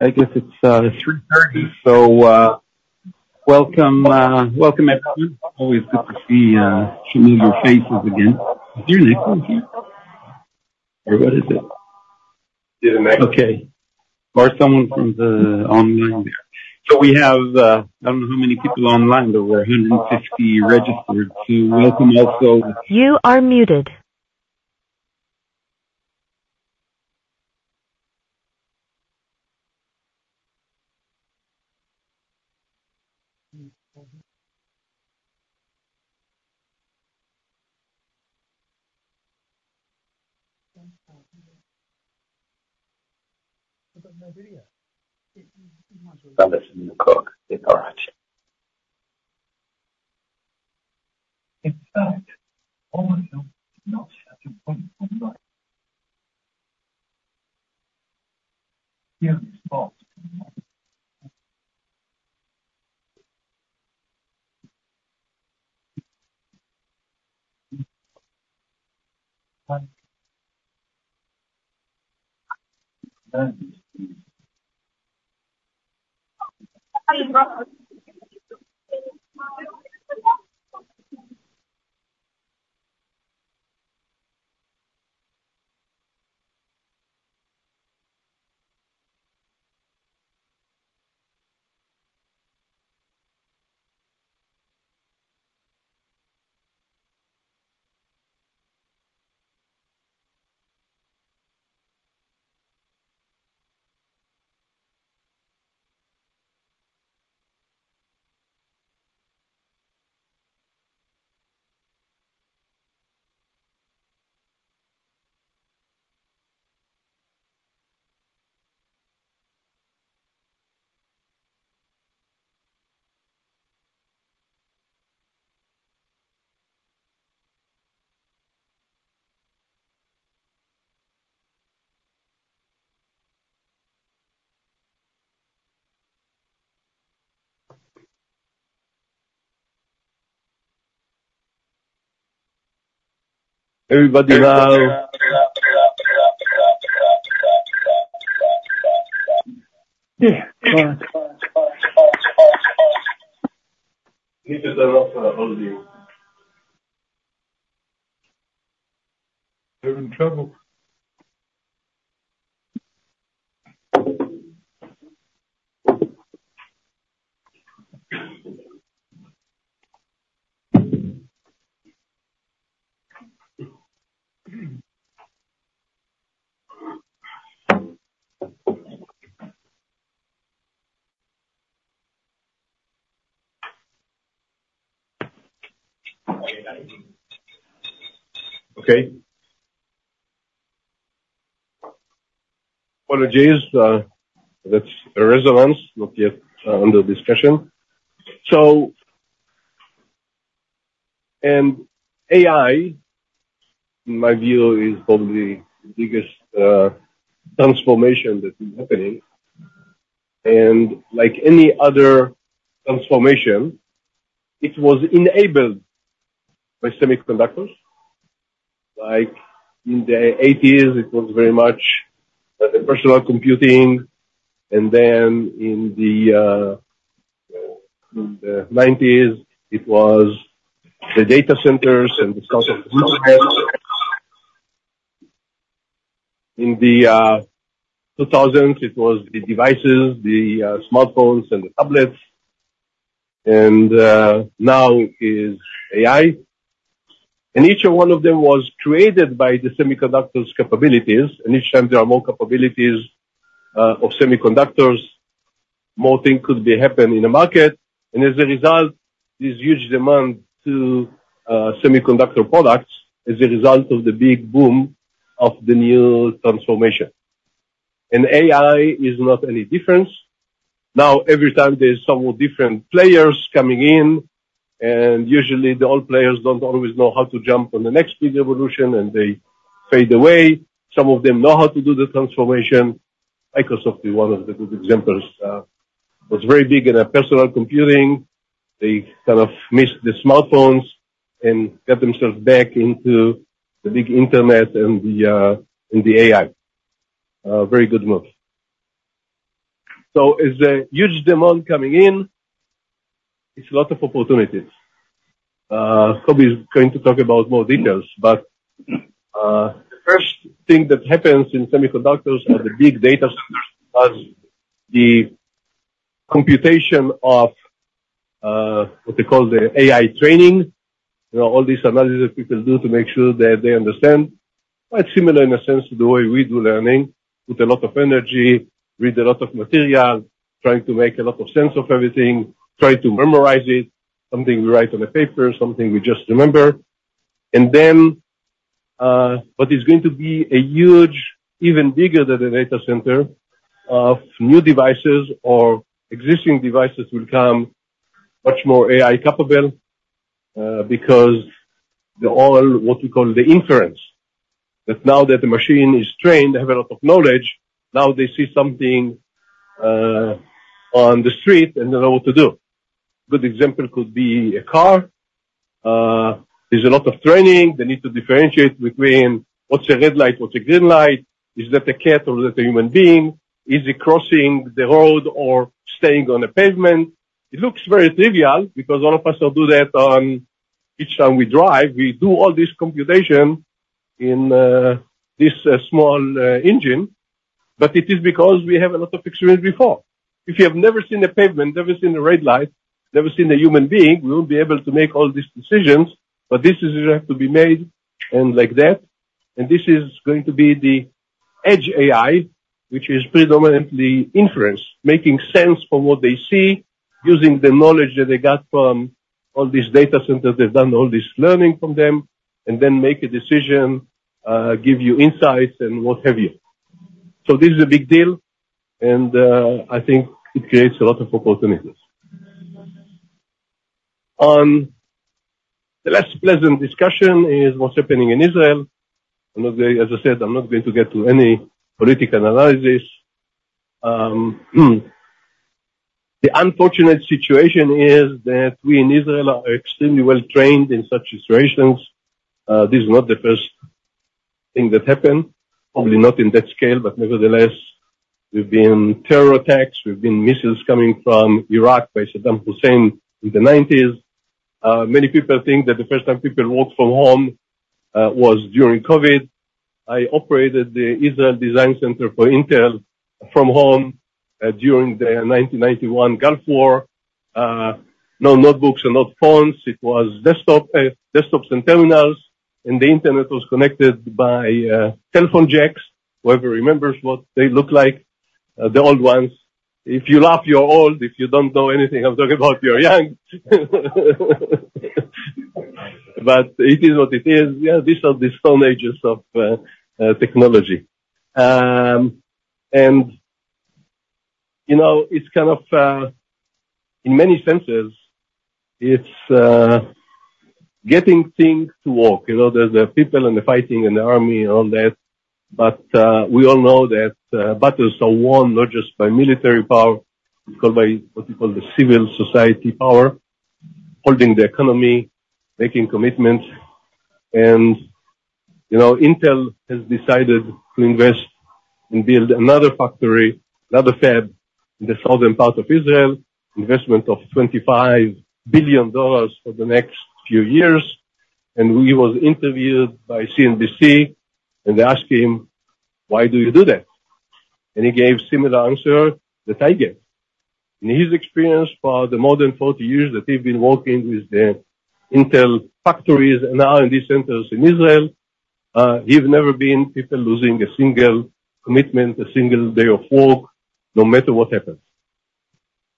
I guess it's 3:30 P.M., so welcome, welcome everyone. Always good to see familiar faces again. Is there an account here? Or what is it? Is there an account? Oky. Or someone from the online there. What is AI? That's a resonance, not yet under discussion. So. And AI, in my view, is probably the biggest transformation that's happening. And like any other transformation, it was enabled by semiconductors. Like in the 1980s, it was very much the personal computing. And then in the 1990s, it was the data centers and the start of the software. In the 2000s, it was the devices, the smartphones and the tablets. And now is AI. And each of one of them was created by the semiconductors' capabilities. And each time there are more capabilities of semiconductors, more things could be happening in the market. And as a result, there's huge demand to semiconductor products as a result of the big boom of the new transformation. And AI is not any difference. Now, every time there's some more different players coming in, and usually the old players don't always know how to jump on the next big evolution, and they fade away. Some of them know how to do the transformation. Microsoft, one of the good examples, was very big in the personal computing. They kind of missed the smartphones and got themselves back into the big Internet and the, and the AI. Very good move. So, as a huge demand coming in, it's a lot of opportunities. Coby's going to talk about more details, but the first thing that happens in semiconductors are the big data centers because the computation of what they call the AI training, you know, all these analysis people do to make sure that they understand, quite similar in a sense to the way we do learning, put a lot of energy, read a lot of material, trying to make a lot of sense of everything, trying to memorize it, something we write on a paper, something we just remember. And then what is going to be a huge, even bigger than the data center, of new devices or existing devices will come much more AI capable, because they're all what we call the inference. That now that the machine is trained, they have a lot of knowledge. Now they see something on the street and they know what to do. Good example could be a car. There's a lot of training. They need to differentiate between what's a red light, what's a green light. Is that a cat or is that a human being? Is it crossing the road or staying on a pavement? It looks very trivial because all of us will do that on each time we drive. We do all this computation in this small engine. But it is because we have a lot of experience before. If you have never seen a pavement, never seen a red light, never seen a human being, we won't be able to make all these decisions. But this is what has to be made, and like that. And this is going to be the edge AI, which is predominantly inference, making sense for what they see, using the knowledge that they got from all these data centers. They've done all this learning from them, and then make a decision, give you insights, and what have you. So this is a big deal, and, I think it creates a lot of opportunities. The less pleasant discussion is what's happening in Israel. I'm not gonna as I said, I'm not going to get to any political analysis. The unfortunate situation is that we in Israel are extremely well trained in such situations. This is not the first thing that happened, probably not in that scale, but nevertheless, there've been terror attacks. There've been missiles coming from Iraq by Saddam Hussein in the 1990s. Many people think that the first time people worked from home, was during COVID. I operated the Israel Design Center for Intel from home, during the 1991 Gulf War. No notebooks and no phones. It was desktop, desktops and terminals. The Internet was connected by telephone jacks. Whoever remembers what they look like, the old ones. If you laugh, you're old. If you don't know anything, I'm talking about you're young. But it is what it is. Yeah, these are the stone ages of technology. And you know, it's kind of in many senses it's getting things to work. You know, there's the people and the fighting and the army and all that. But we all know that battles are won not just by military power. It's called by what we call the civil society power, holding the economy, making commitments. You know, Intel has decided to invest and build another factory, another fab in the southern part of Israel, investment of $25 billion for the next few years. He was interviewed by CNBC, and they asked him, "Why do you do that?" He gave a similar answer that I gave. In his experience for the more than 40 years that he's been working with the Intel factories and R&D centers in Israel, he's never been people losing a single commitment, a single day of work, no matter what happens.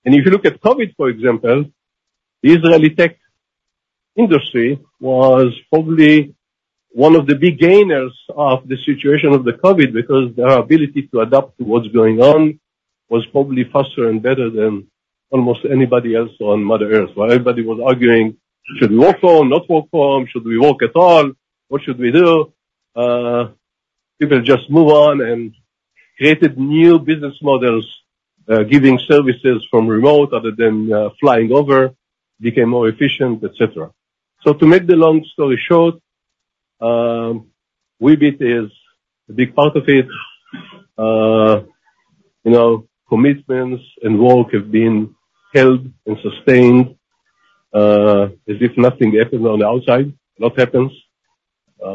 If you look at COVID, for example, the Israeli tech industry was probably one of the big gainers of the situation of the COVID because their ability to adapt to what's going on was probably faster and better than almost anybody else on Mother Earth, where everybody was arguing, "Should we work from home? Not work from home? Should we work at all? What should we do?" people just move on and created new business models, giving services from remote other than flying over, became more efficient, etc. So to make the long story short, Weebit is a big part of it. You know, commitments and work have been held and sustained, as if nothing happened on the outside, a lot happens.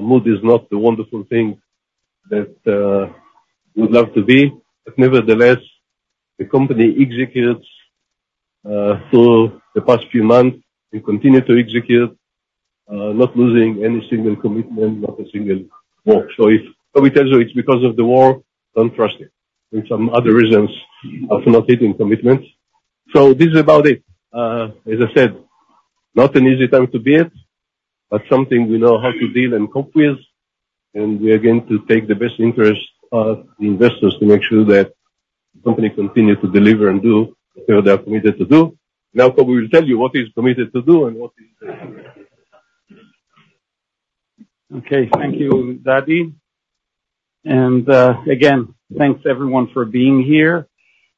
Mood is not the wonderful thing that we would love to be. But nevertheless, the company executes through the past few months and continues to execute, not losing any single commitment, not a single work. So if Coby tells you it's because of the war, don't trust him. There's some other reasons of not hitting commitments. So this is about it. As I said, not an easy time to be at, but something we know how to deal and cope with. We are going to take the best interest of the investors to make sure that the company continues to deliver and do whatever they are committed to do. Now Coby will tell you what he's committed to do and what he's doing. Okay. Thank you, Dadi. And, again, thanks everyone for being here.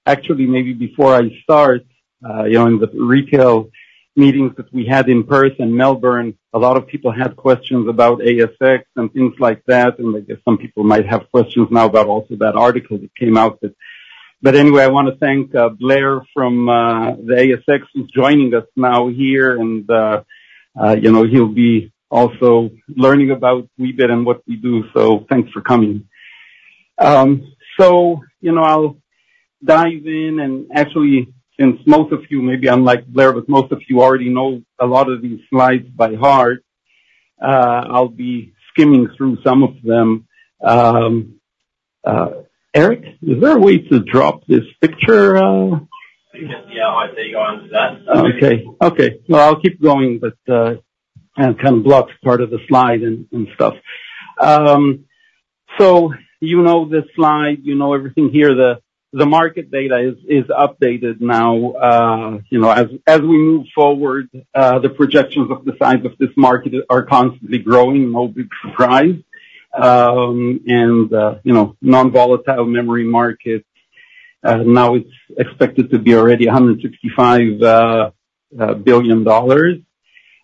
Actually, maybe before I start, you know, in the retail meetings that we had in Perth and Melbourne, a lot of people had questions about ASX and things like that. And I guess some people might have questions now about also that article that came out, but anyway, I wanna thank Blair from the ASX who's joining us now here. And, you know, he'll be also learning about Weebit and what we do. So thanks for coming. So, you know, I'll dive in. And actually, since most of you maybe unlike Blair, but most of you already know a lot of these slides by heart, I'll be skimming through some of them. Eric, is there a way to drop this picture? Yeah. I see you going into that. Okay. Well, I'll keep going, but I kind of blocked part of the slide and stuff. So you know this slide. You know everything here. The market data is updated now. You know, as we move forward, the projections of the size of this market are constantly growing. No big surprise. And you know, non-volatile memory market, now it's expected to be already $165 billion.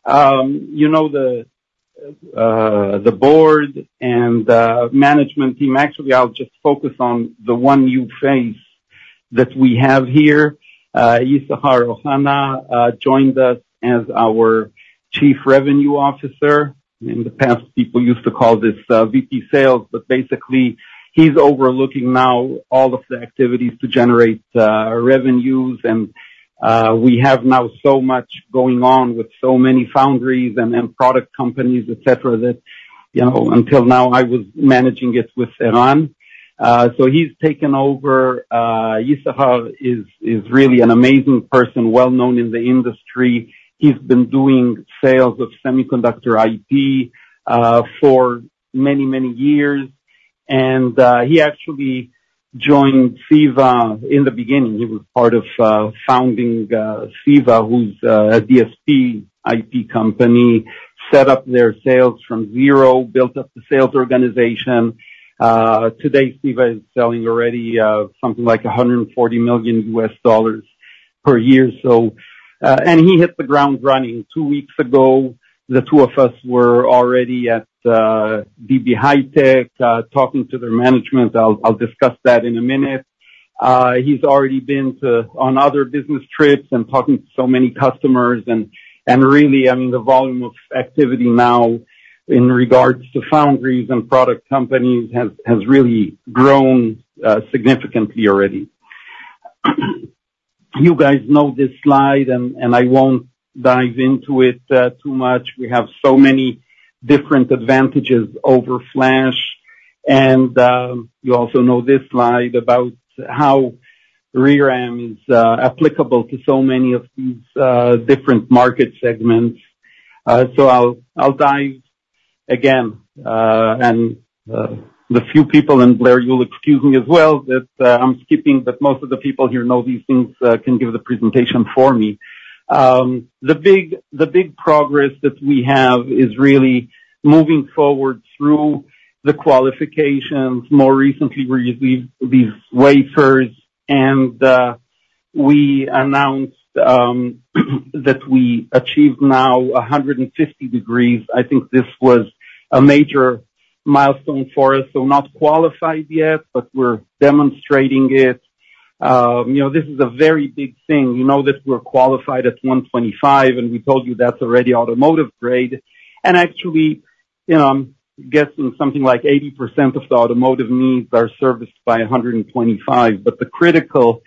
You know, the board and management team, actually, I'll just focus on the one new face that we have here. Issachar Ohana joined us as our Chief Revenue Officer. In the past, people used to call this VP sales. But basically, he's overlooking now all of the activities to generate revenues. And we have now so much going on with so many foundries and product companies, etc., that you know, until now, I was managing it with Eran. So he's taken over. Issachar is really an amazing person, well-known in the industry. He's been doing sales of semiconductor IP for many, many years. And he actually joined CEVA in the beginning. He was part of founding CEVA, who's a DSP IP company, set up their sales from zero, built up the sales organization. Today, CEVA is selling already something like $140 million per year. So and he hit the ground running. Two weeks ago, the two of us were already at DB HiTek, talking to their management. I'll discuss that in a minute. He's already been on other business trips and talking to so many customers. And really, I mean, the volume of activity now in regards to foundries and product companies has really grown significantly already. You guys know this slide, and I won't dive into it too much. We have so many different advantages over flash. You also know this slide about how RRAM is applicable to so many of these different market segments. So I'll, I'll dive again, and the few people and Blair, you'll excuse me as well that I'm skipping, but most of the people here know these things, can give the presentation for me. The big the big progress that we have is really moving forward through the qualifications. More recently, we received these wafers. We announced that we achieved now 150 degrees. I think this was a major milestone for us. So not qualified yet, but we're demonstrating it. You know, this is a very big thing. You know that we're qualified at 125, and we told you that's already automotive grade. Actually, you know, I'm guessing something like 80% of the automotive needs are serviced by 125. But the critical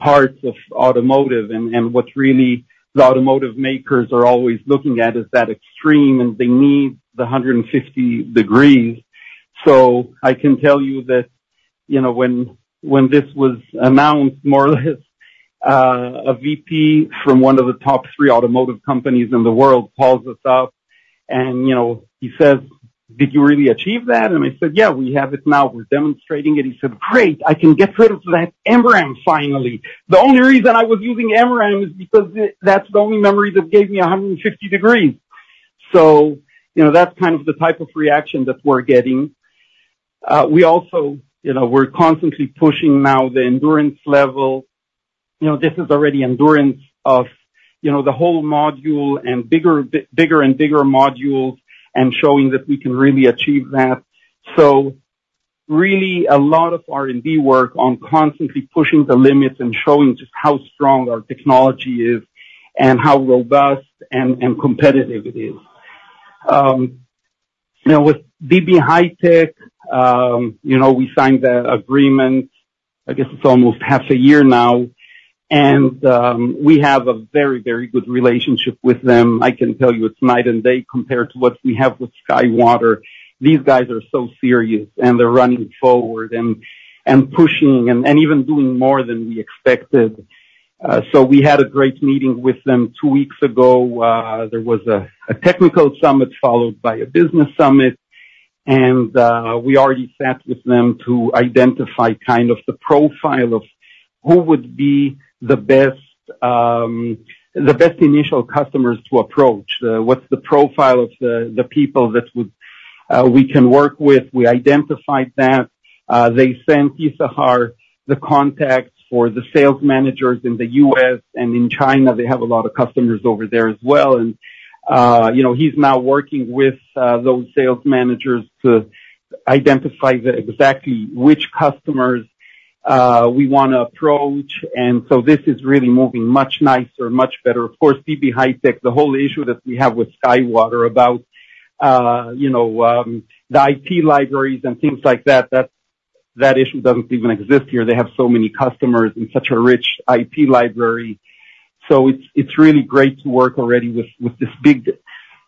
parts of automotive and what really the automotive makers are always looking at is that extreme, and they need the 150 degrees. So I can tell you that, you know, when this was announced, more or less, a VP from one of the top three automotive companies in the world calls us up and, you know, he says, "Did you really achieve that?" And I said, "Yeah, we have it now. We're demonstrating it." He said, "Great. I can get rid of that MRAM finally. The only reason I was using MRAM is because that's the only memory that gave me 150 degrees." So, you know, that's kind of the type of reaction that we're getting. We also, you know, we're constantly pushing now the endurance level. You know, this is already endurance of, you know, the whole module and bigger and bigger modules and showing that we can really achieve that. So really, a lot of R&D work on constantly pushing the limits and showing just how strong our technology is and how robust and, and competitive it is. You know, with DB HiTek, you know, we signed the agreement. I guess it's almost half a year now. And, we have a very, very good relationship with them. I can tell you it's night and day compared to what we have with SkyWater. These guys are so serious, and they're running forward and, and pushing and, and even doing more than we expected. So we had a great meeting with them two weeks ago. There was a, a technical summit followed by a business summit. We already sat with them to identify kind of the profile of who would be the best, the best initial customers to approach, what's the profile of the people that would we can work with. We identified that. They sent Issachar the contacts for the sales managers in the U.S. and in China, they have a lot of customers over there as well. And, you know, he's now working with those sales managers to identify exactly which customers we wanna approach. And so this is really moving much nicer, much better. Of course, DB HiTek, the whole issue that we have with SkyWater about, you know, the IP libraries and things like that, that issue doesn't even exist here. They have so many customers and such a rich IP library. So it's really great to work already with this big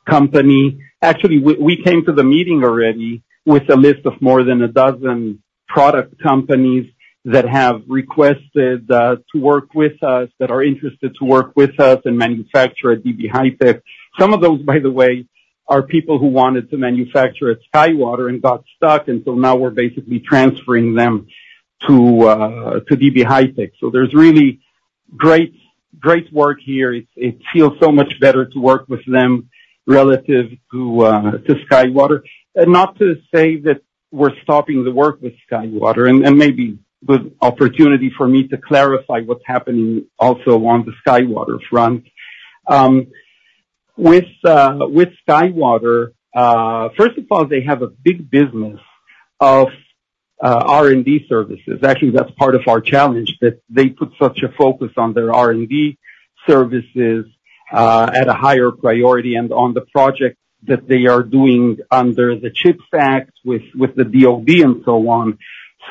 company. Actually, we came to the meeting already with a list of more than a dozen product companies that have requested to work with us, that are interested to work with us and manufacture at DB HiTek. Some of those, by the way, are people who wanted to manufacture at SkyWater and got stuck. And so now we're basically transferring them to DB HiTek. So there's really great, great work here. It feels so much better to work with them relative to SkyWater. And not to say that we're stopping the work with SkyWater. And maybe good opportunity for me to clarify what's happening also on the SkyWater front. With SkyWater, first of all, they have a big business of R&D services. Actually, that's part of our challenge, that they put such a focus on their R&D services, at a higher priority and on the project that they are doing under the CHIPS Act with the DOD and so on.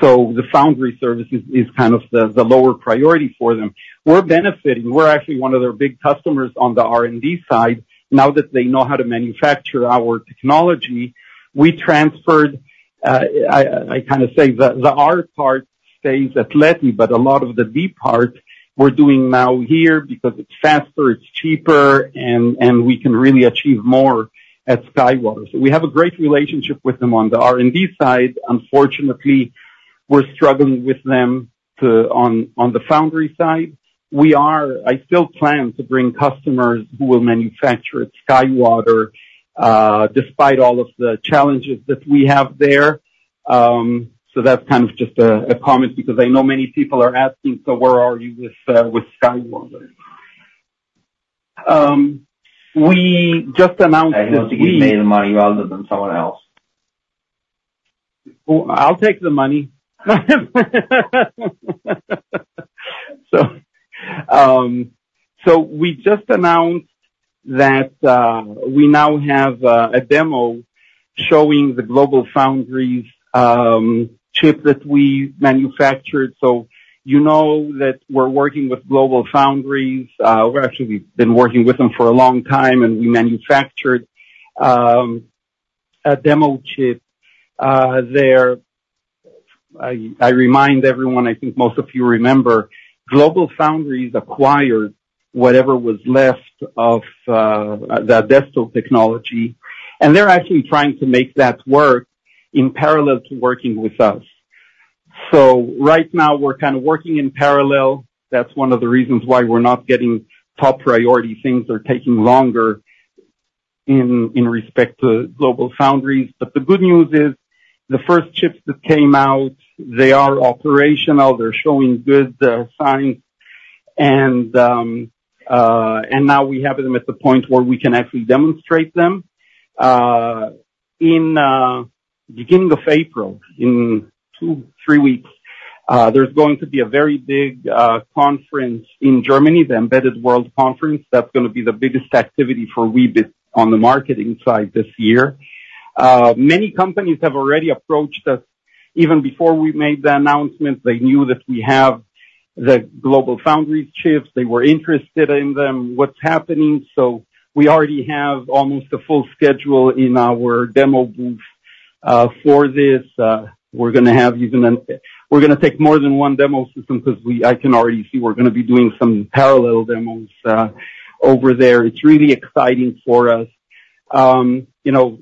So the foundry service is kind of the lower priority for them. We're benefiting. We're actually one of their big customers on the R&D side. Now that they know how to manufacture our technology, we transferred. I kinda say the R part stays at Leti, but a lot of the D part we're doing now here because it's faster, it's cheaper, and we can really achieve more at SkyWater. So we have a great relationship with them on the R&D side. Unfortunately, we're struggling with them too on the foundry side. We are. I still plan to bring customers who will manufacture at SkyWater, despite all of the challenges that we have there. So that's kind of just a comment because I know many people are asking, "So where are you with SkyWater?" We just announced that we. I don't think you made the money earlier than someone else. Well, I'll take the money. So we just announced that we now have a demo showing the GlobalFoundries chip that we manufactured. So you know that we're working with GlobalFoundries. We've actually been working with them for a long time, and we manufactured a demo chip there. I remind everyone I think most of you remember GlobalFoundries acquired whatever was left of that desktop technology. And they're actually trying to make that work in parallel to working with us. So right now, we're kinda working in parallel. That's one of the reasons why we're not getting top priority. Things are taking longer in respect to GlobalFoundries. But the good news is the first chips that came out, they are operational. They're showing good signs. And now we have them at the point where we can actually demonstrate them. the beginning of April, in 2 to 3 weeks, there's going to be a very big conference in Germany, the Embedded World Conference. That's gonna be the biggest activity for Weebit on the marketing side this year. Many companies have already approached us even before we made the announcement. They knew that we have the GlobalFoundries chips. They were interested in them, what's happening. So we already have almost a full schedule in our demo booth for this. We're gonna have even; we're gonna take more than one demo system cause we can already see we're gonna be doing some parallel demos over there. It's really exciting for us. You know,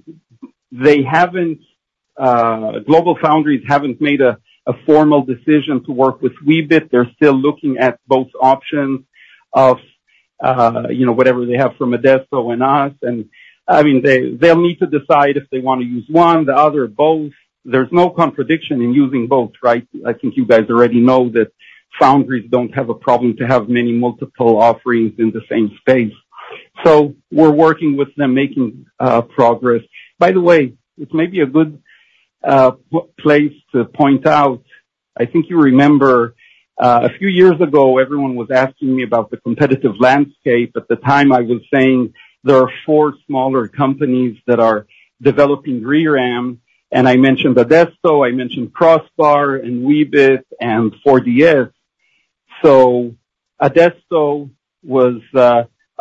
GlobalFoundries haven't made a formal decision to work with Weebit. They're still looking at both options of, you know, whatever they have from Adesto and us. And I mean, they’ll need to decide if they wanna use one, the other, both. There’s no contradiction in using both, right? I think you guys already know that foundries don’t have a problem to have many multiple offerings in the same space. So we’re working with them, making progress. By the way, it may be a good place to point out. I think you remember, a few years ago, everyone was asking me about the competitive landscape. At the time, I was saying there are four smaller companies that are developing RRAM. And I mentioned Adesto. I mentioned Crossbar and Weebit and 4DS. So Adesto was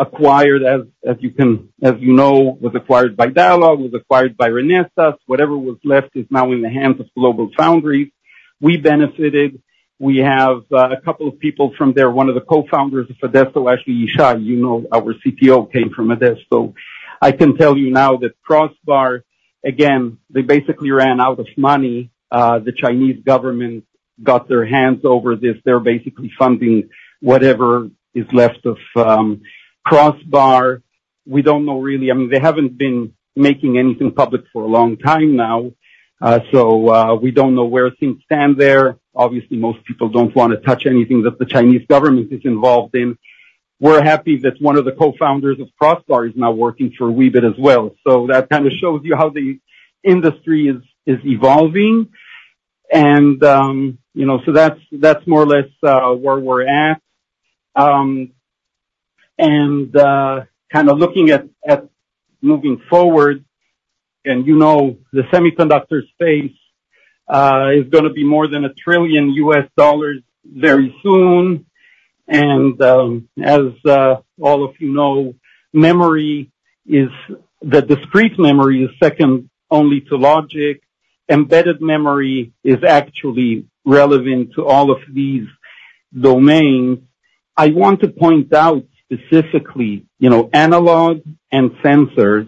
acquired, as you know ,was acquired by Dialog, was acquired by Renesas. Whatever was left is now in the hands of GlobalFoundries. We benefited. We have a couple of people from there. One of the co-founders of Adesto, actually, Ishai, you know, our CTO, came from Adesto. I can tell you now that Crossbar again, they basically ran out of money. The Chinese government got their hands over this. They're basically funding whatever is left of Crossbar. We don't know really. I mean, they haven't been making anything public for a long time now. So, we don't know where things stand there. Obviously, most people don't wanna touch anything that the Chinese government is involved in. We're happy that one of the co-founders of Crossbar is now working for Weebit as well. So that kinda shows you how the industry is, is evolving. And, you know, so that's, that's more or less, where we're at. And, kinda looking at, at moving forward and you know, the semiconductor space, is gonna be more than $1 trillion very soon. As all of you know, memory is the discrete memory is second only to logic. Embedded memory is actually relevant to all of these domains. I want to point out specifically, you know, analog and sensors.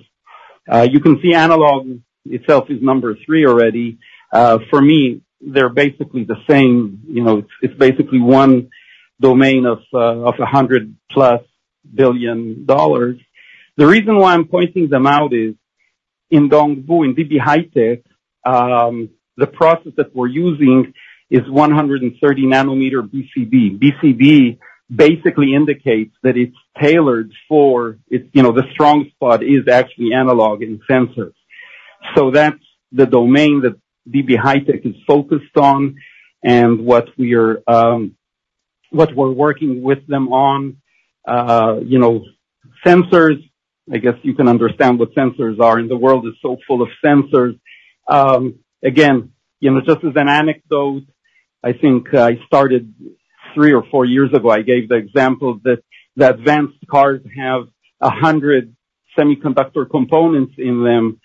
You can see analog itself is number three already. For me, they're basically the same. You know, it's, it's basically one domain of $100+ billion. The reason why I'm pointing them out is in DB HiTek, in DB HiTek, the process that we're using is 130nm BCD. BCD basically indicates that it's tailored for its, you know, the strong spot is actually analog and sensors. So that's the domain that DB HiTek is focused on and what we are, what we're working with them on. You know, sensors. I guess you can understand what sensors are. The world is so full of sensors. Again, you know, just as an anecdote, I think I started three or four years ago. I gave the example that the advanced cars have 100 semiconductor components in them.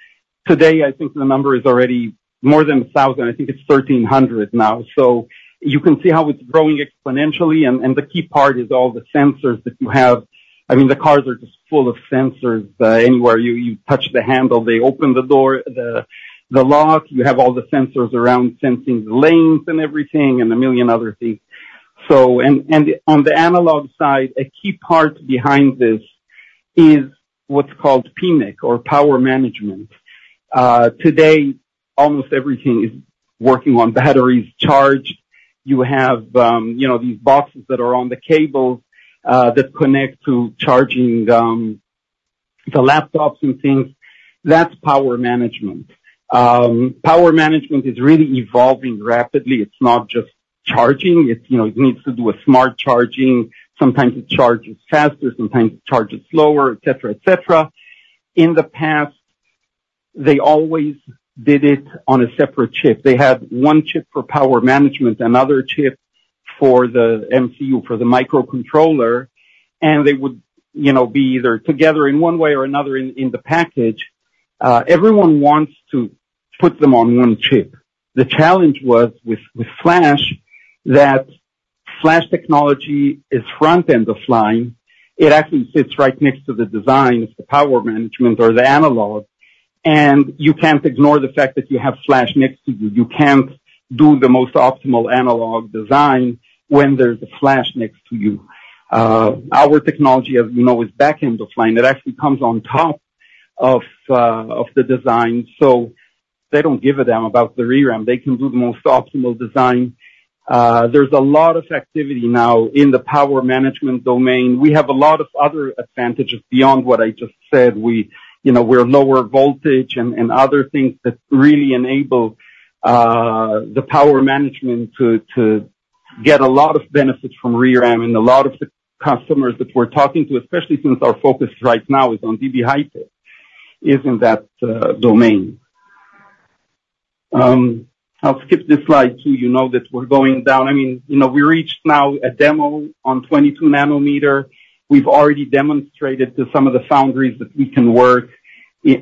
Today, I think the number is already more than 1,000. I think it's 1,300 now. So you can see how it's growing exponentially. And the key part is all the sensors that you have. I mean, the cars are just full of sensors. Anywhere you touch the handle, they open the door, the lock. You have all the sensors around sensing the lanes and everything and a million other things. So, on the analog side, a key part behind this is what's called PMIC or power management. Today, almost everything is working on batteries charged. You have, you know, these boxes that are on the cables, that connect to charging, the laptops and things. That's power management. Power management is really evolving rapidly. It's not just charging. It's, you know, it needs to do a smart charging. Sometimes it charges faster. Sometimes it charges slower, etc., etc. In the past, they always did it on a separate chip. They had one chip for power management, another chip for the MCU, for the microcontroller. And they would, you know, be either together in one way or another in the package. Everyone wants to put them on one chip. The challenge was with flash that flash technology is front-end of line. It actually sits right next to the design of the power management or the analog. And you can't ignore the fact that you have flash next to you. You can't do the most optimal analog design when there's a flash next to you. Our technology, as you know, is back-end of line. It actually comes on top of the design. So they don't give a damn about the RRAM. They can do the most optimal design. There's a lot of activity now in the power management domain. We have a lot of other advantages beyond what I just said. We, you know, we're lower voltage and other things that really enable the power management to get a lot of benefits from RRAM. And a lot of the customers that we're talking to, especially since our focus right now is on DB HiTek, is in that domain. I'll skip this slide so you know that we're going down. I mean, you know, we reached now a demo on 22nm. We've already demonstrated to some of the foundries that we can work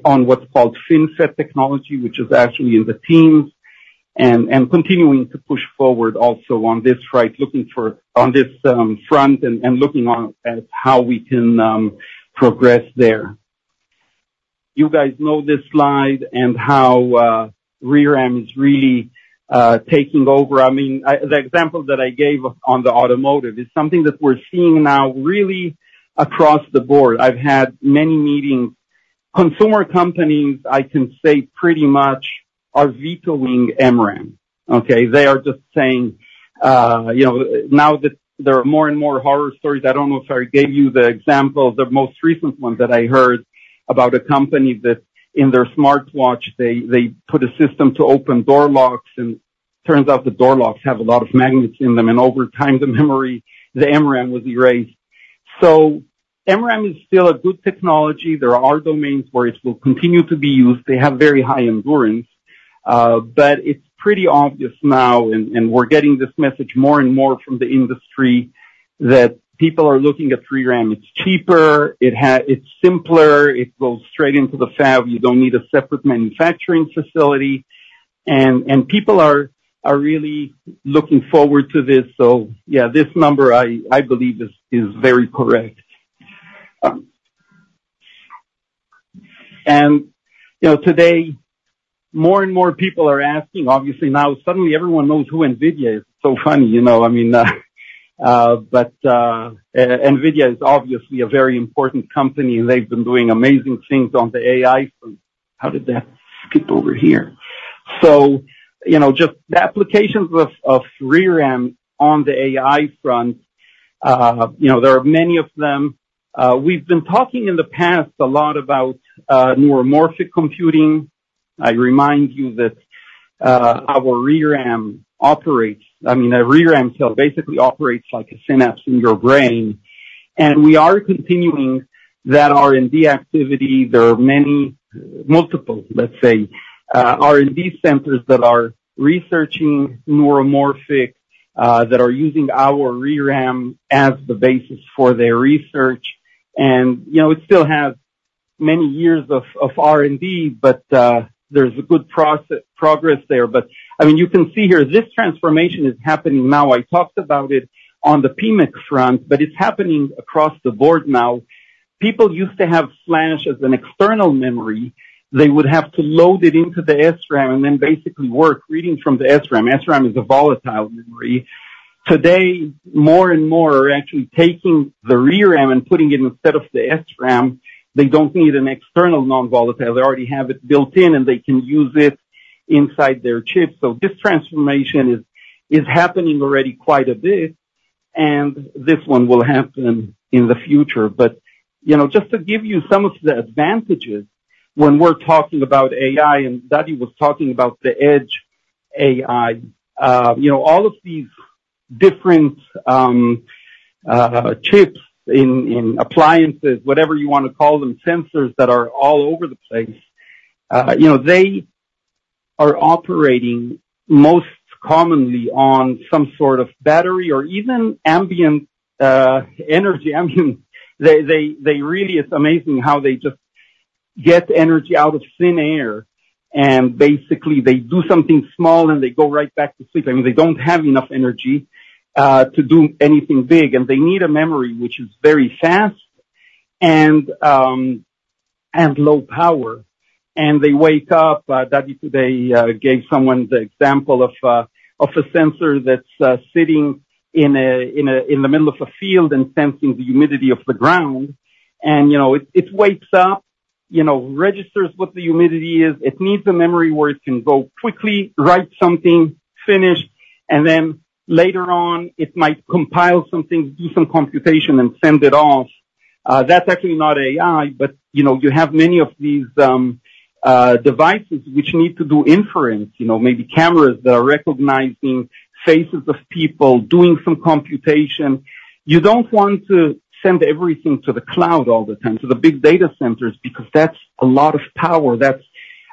on what's called FinFET technology, which is actually in the teens, and continuing to push forward also on this, right, looking forward on this front and looking at how we can progress there. You guys know this slide and how RRAM is really taking over. I mean, the example that I gave on the automotive is something that we're seeing now really across the board. I've had many meetings. Consumer companies, I can say pretty much, are vetoing MRAM, okay? They are just saying, you know, now that there are more and more horror stories. I don't know if I gave you the example. The most recent one that I heard about a company that in their smartwatch, they put a system to open door locks. And turns out the door locks have a lot of magnets in them. And over time, the memory the MRAM was erased. So MRAM is still a good technology. There are domains where it will continue to be used. They have very high endurance. But it's pretty obvious now and we're getting this message more and more from the industry that people are looking at RRAM. It's cheaper. It's simpler. It goes straight into the fab. You don't need a separate manufacturing facility. And people are really looking forward to this. So yeah, this number, I believe, is very correct. And, you know, today, more and more people are asking. Obviously, now suddenly everyone knows who NVIDIA is. It's so funny, you know? I mean, but, NVIDIA is obviously a very important company. And they've been doing amazing things on the AI front. How did that skip over here? So, you know, just the applications of, of RRAM on the AI front, you know, there are many of them. We've been talking in the past a lot about, neuromorphic computing. I remind you that, our RRAM operates I mean, a RRAM cell basically operates like a synapse in your brain. And we are continuing that R&D activity. There are many multiple, let's say, R&D centers that are researching neuromorphic, that are using our RRAM as the basis for their research. And, you know, it still has many years of, of R&D, but, there's a good process progress there. But I mean, you can see here this transformation is happening now. I talked about it on the PMIC front, but it's happening across the board now. People used to have flash as an external memory. They would have to load it into the SRAM and then basically work reading from the SRAM. SRAM is a volatile memory. Today, more and more are actually taking the RRAM and putting it instead of the SRAM. They don't need an external non-volatile. They already have it built in, and they can use it inside their chips. So this transformation is, is happening already quite a bit. And this one will happen in the future. But, you know, just to give you some of the advantages when we're talking about AI and Dadi was talking about the edge AI, you know, all of these different, chips in, in appliances, whatever you wanna call them, sensors that are all over the place, you know, they are operating most commonly on some sort of battery or even ambient, energy ambient. They really, it's amazing how they just get energy out of thin air. And basically, they do something small, and they go right back to sleep. I mean, they don't have enough energy to do anything big. And they need a memory which is very fast and low power. And they wake up. Dadi today gave someone the example of a sensor that's sitting in the middle of a field and sensing the humidity of the ground. And, you know, it wakes up, you know, registers what the humidity is. It needs a memory where it can go quickly, write something, finish. And then later on, it might compile something, do some computation, and send it off. That's actually not AI. But, you know, you have many of these devices which need to do inference, you know, maybe cameras that are recognizing faces of people, doing some computation. You don't want to send everything to the cloud all the time, to the big data centers because that's a lot of power. That's,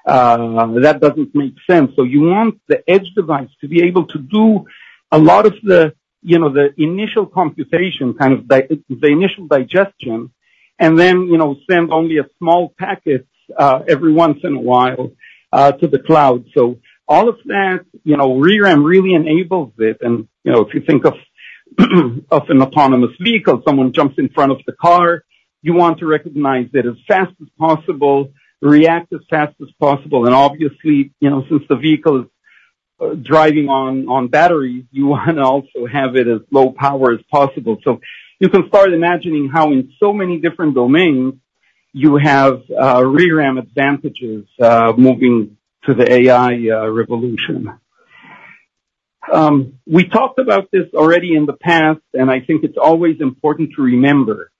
that doesn't make sense. So you want the edge device to be able to do a lot of the, you know, the initial computation, kind of do the initial digestion, and then, you know, send only a small packet, every once in a while, to the cloud. So all of that, you know, RRAM really enables it. And, you know, if you think of, of an autonomous vehicle, someone jumps in front of the car, you want to recognize it as fast as possible, react as fast as possible. And obviously, you know, since the vehicle is driving on battery, you wanna also have it as low power as possible. So you can start imagining how in so many different domains, you have RRAM advantages moving to the AI revolution. We talked about this already in the past. And I think it's always important to remember.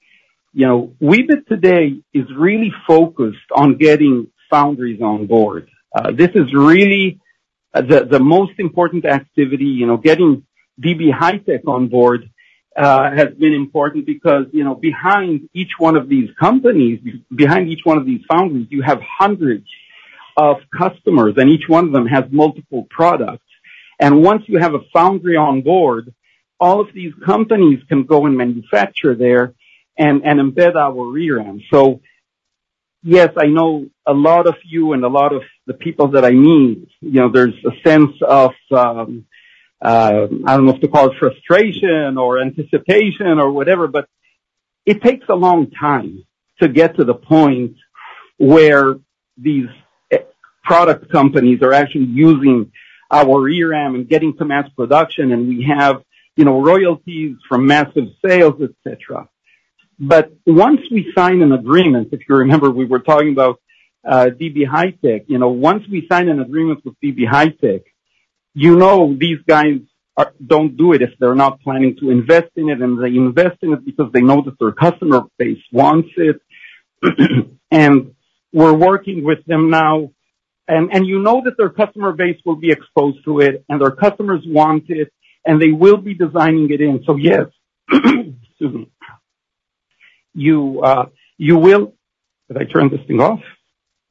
You know, Weebit today is really focused on getting foundries on board. This is really the most important activity. You know, getting DB HiTek on board has been important because, you know, behind each one of these companies, behind each one of these foundries, you have hundreds of customers. And each one of them has multiple products. And once you have a foundry on board, all of these companies can go and manufacture there and embed our RRAM. So yes, I know a lot of you and a lot of the people that I meet, you know, there's a sense of, I don't know if to call it frustration or anticipation or whatever. But it takes a long time to get to the point where these product companies are actually using our RRAM and getting to mass production. And we have, you know, royalties from massive sales, etc. But once we sign an agreement if you remember, we were talking about DB HiTek. You know, once we sign an agreement with DB HiTek, you know these guys don't do it if they're not planning to invest in it. And they invest in it because they know that their customer base wants it. And we're working with them now. And you know that their customer base will be exposed to it. And their customers want it. And they will be designing it in. So yes, excuse me. Did I turn this thing off?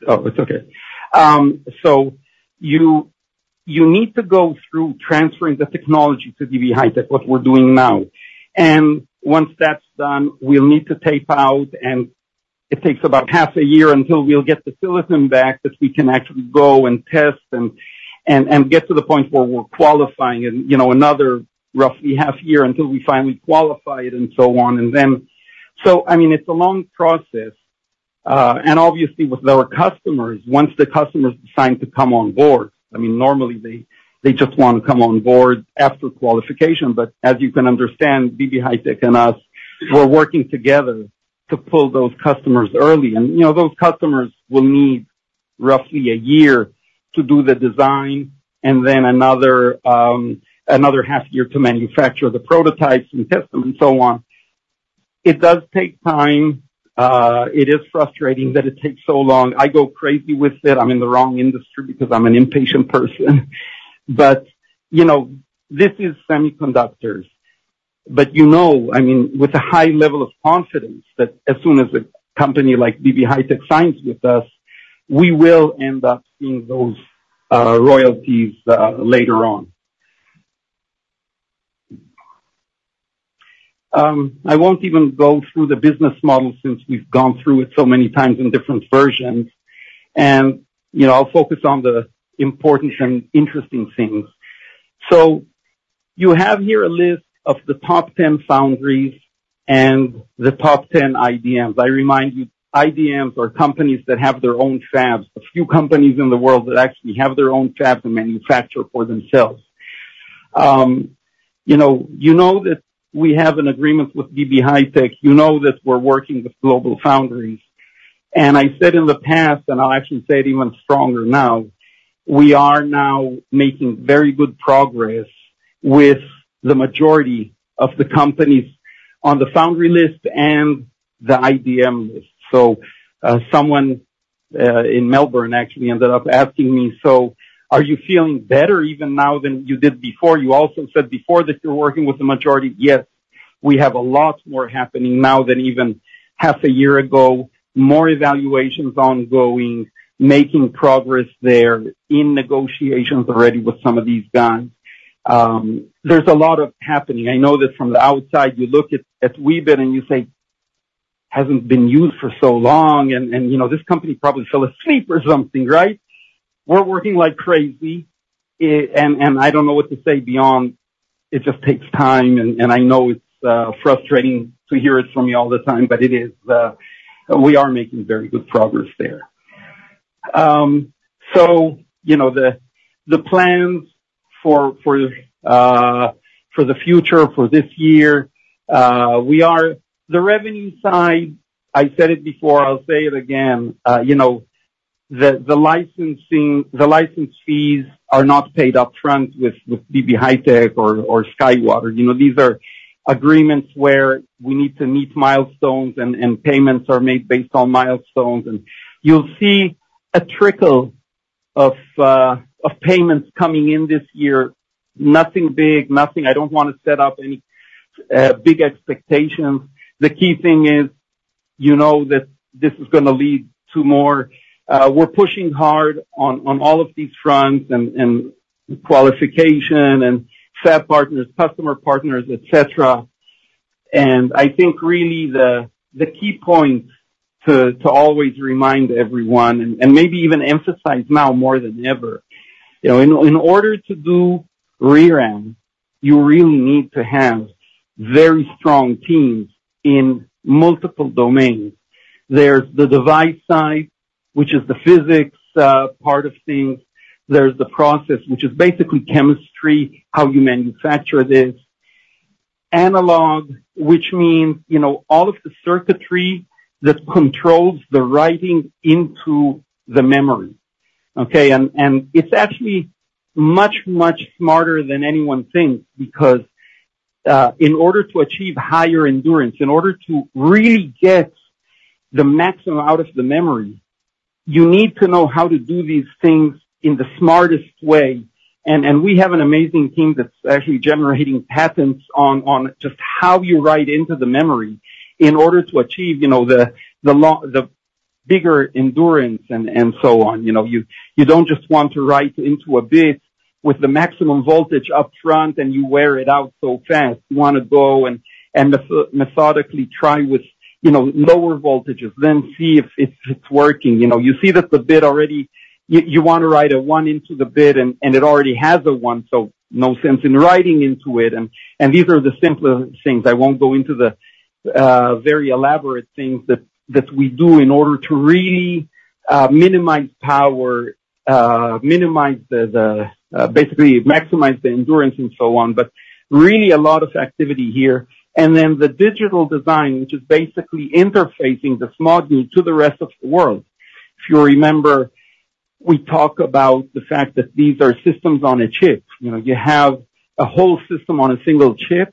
Oh, it's okay. So you need to go through transferring the technology to DB HiTek, what we're doing now. And once that's done, we'll need to tape out. And it takes about half a year until we'll get the silicon back that we can actually go and test and get to the point where we're qualifying and, you know, another roughly half year until we finally qualify it and so on. And then so I mean, it's a long process. And obviously, with our customers, once the customers decide to come on board I mean, normally, they just wanna come on board after qualification. But as you can understand, DB HiTek and us, we're working together to pull those customers early. And, you know, those customers will need roughly a year to do the design and then another, another half year to manufacture the prototypes and test them and so on. It does take time. It is frustrating that it takes so long. I go crazy with it. I'm in the wrong industry because I'm an impatient person. But, you know, this is semiconductors. But you know, I mean, with a high level of confidence that as soon as a company like DB HiTek signs with us, we will end up seeing those royalties later on. I won't even go through the business model since we've gone through it so many times in different versions. And, you know, I'll focus on the important and interesting things. So you have here a list of the top 10 foundries and the top 10 IDMs. I remind you, IDMs are companies that have their own fabs. A few companies in the world that actually have their own fabs and manufacture for themselves. You know, you know that we have an agreement with DB HiTek. You know that we're working with GlobalFoundries. And I said in the past, and I'll actually say it even stronger now, we are now making very good progress with the majority of the companies on the foundry list and the IDM list. So, someone in Melbourne actually ended up asking me, "So are you feeling better even now than you did before?" You also said before that you're working with the majority. Yes, we have a lot more happening now than even half a year ago, more evaluations ongoing, making progress there in negotiations already with some of these guys. There's a lot happening. I know that from the outside, you look at, at Weebit, and you say, "Hasn't been used for so long. And, and, you know, this company probably fell asleep or something, right? We're working like crazy." I, and I don't know what to say beyond it just takes time. And, and I know it's frustrating to hear it from me all the time. But it is, we are making very good progress there. So, you know, the, the plans for, for, for the future, for this year, we are the revenue side, I said it before. I'll say it again. You know, the, the licensing, the license fees are not paid upfront with DB HiTek or SkyWater. You know, these are agreements where we need to meet milestones. And payments are made based on milestones. And you'll see a trickle of payments coming in this year. Nothing big, nothing. I don't wanna set up any big expectations. The key thing is, you know, that this is gonna lead to more. We're pushing hard on all of these fronts and qualification and fab partners, customer partners, etc. And I think really the key point to always remind everyone and maybe even emphasize now more than ever, you know, in order to do RRAM, you really need to have very strong teams in multiple domains. There's the device side, which is the physics part of things. There's the process, which is basically chemistry, how you manufacture this, analog, which means, you know, all of the circuitry that controls the writing into the memory, okay? It's actually much, much smarter than anyone thinks because, in order to achieve higher endurance, in order to really get the maximum out of the memory, you need to know how to do these things in the smartest way. We have an amazing team that's actually generating patents on, on just how you write into the memory in order to achieve, you know, the, the law the bigger endurance and, and so on. You know, you, you don't just want to write into a bit with the maximum voltage upfront, and you wear it out so fast. You wanna go and, and methodically try with, you know, lower voltages, then see if it's, it's working. You know, you see that the bit already, you wanna write a one into the bit. And it already has a one. So no sense in writing into it. And these are the simplest things. I won't go into the very elaborate things that we do in order to really minimize power, minimize the, basically maximize the endurance and so on, but really a lot of activity here. And then the digital design, which is basically interfacing the small unit to the rest of the world. If you remember, we talk about the fact that these are systems on a chip. You know, you have a whole system on a single chip.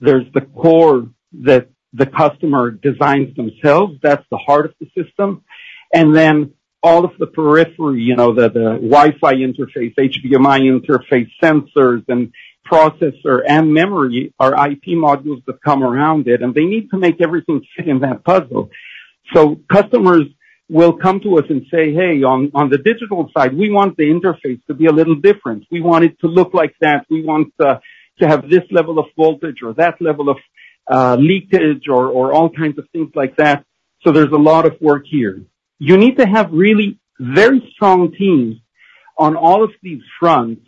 There's the core that the customer designs themselves. That's the heart of the system. And then all of the periphery, you know, the Wi-Fi interface, HDMI interface, sensors, and processor and memory are IP modules that come around it. And they need to make everything fit in that puzzle. So customers will come to us and say, "Hey, on the digital side, we want the interface to be a little different. We want it to look like that. We want to have this level of voltage or that level of leakage or all kinds of things like that." So there's a lot of work here. You need to have really very strong teams on all of these fronts.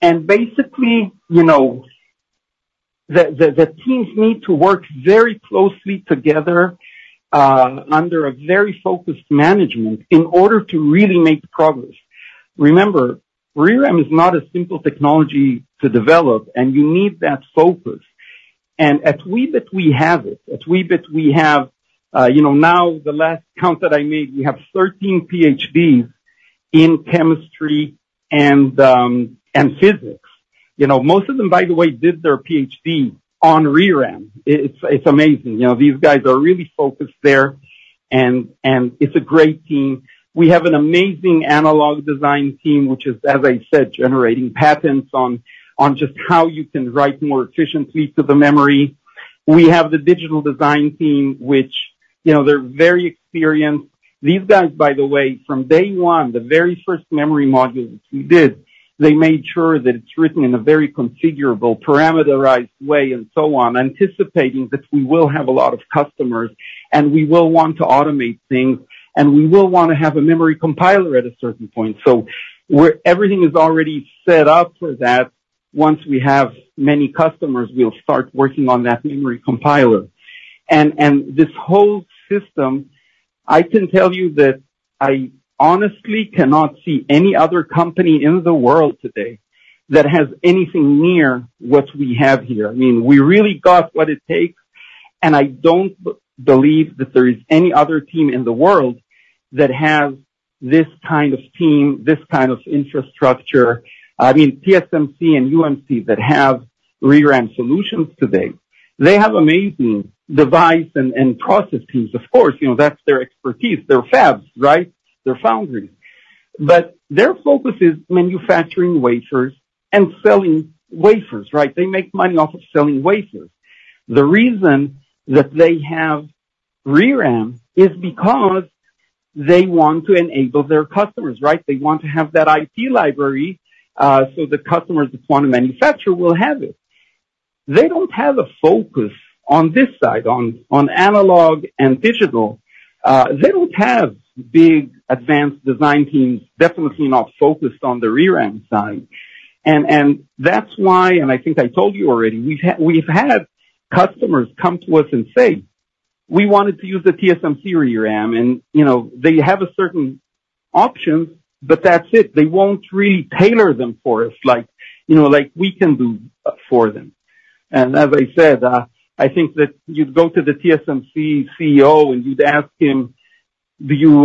And basically, you know, the teams need to work very closely together, under a very focused management in order to really make progress. Remember, RRAM is not a simple technology to develop. And you need that focus. At Weebit, we have it. At Weebit, we have, you know, now the last count that I made, we have 13 PhDs in chemistry and physics. You know, most of them, by the way, did their PhD on RRAM. It's amazing. You know, these guys are really focused there. And it's a great team. We have an amazing analog design team, which is, as I said, generating patents on just how you can write more efficiently to the memory. We have the digital design team, which, you know, they're very experienced. These guys, by the way, from day one, the very first memory modules that we did, they made sure that it's written in a very configurable, parameterized way and so on, anticipating that we will have a lot of customers. And we will want to automate things. And we will wanna have a memory compiler at a certain point. So we're everything is already set up for that. Once we have many customers, we'll start working on that memory compiler. And, and this whole system, I can tell you that I honestly cannot see any other company in the world today that has anything near what we have here. I mean, we really got what it takes. And I don't believe that there is any other team in the world that has this kind of team, this kind of infrastructure. I mean, TSMC and UMC that have RRAM solutions today, they have amazing device and, and process teams. Of course, you know, that's their expertise. They're fabs, right? They're foundries. But their focus is manufacturing wafers and selling wafers, right? They make money off of selling wafers. The reason that they have RRAM is because they want to enable their customers, right? They want to have that IP library, so the customers that wanna manufacture will have it. They don't have a focus on this side, on analog and digital. They don't have big advanced design teams, definitely not focused on the RRAM side. And that's why and I think I told you already, we've had customers come to us and say, "We wanted to use the TSMC RRAM." And, you know, they have a certain options, but that's it. They won't really tailor them for us like, you know, like we can do for them. And as I said, I think that you'd go to the TSMC CEO, and you'd ask him, "Do you,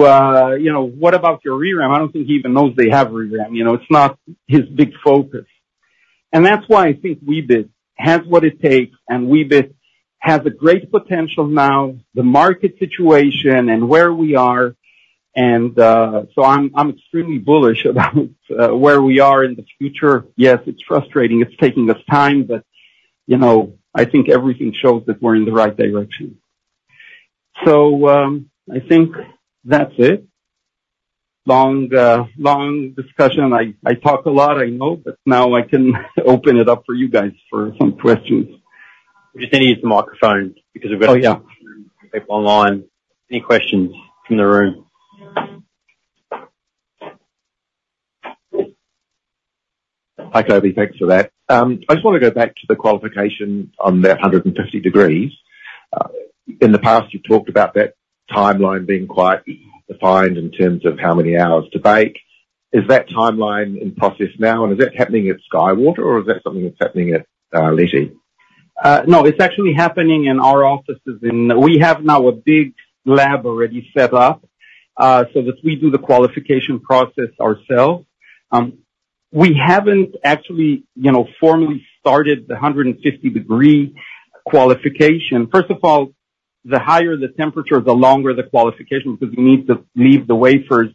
you know, what about your RRAM?" I don't think he even knows they have RRAM. You know, it's not his big focus. And that's why I think Weebit has what it takes. And Weebit has great potential now, the market situation and where we are. And, so I'm, I'm extremely bullish about where we are in the future. Yes, it's frustrating. It's taking us time. But, you know, I think everything shows that we're in the right direction. So, I think that's it. Long, long discussion. I, I talk a lot, I know. But now I can open it up for you guys for some questions. We just need to use the microphone because we've got some people online. Any questions from the room? Hi, Coby. Thanks for that. I just wanna go back to the qualification on the 150 degrees. In the past, you've talked about that timeline being quite defined in terms of how many hours to bake. Is that timeline in process now? And is that happening at SkyWater, or is that something that's happening at, Leti? No. It's actually happening in our offices. We have now a big lab already set up, so that we do the qualification process ourselves. We haven't actually, you know, formally started the 150-degree qualification. First of all, the higher the temperature, the longer the qualification because you need to leave the wafers,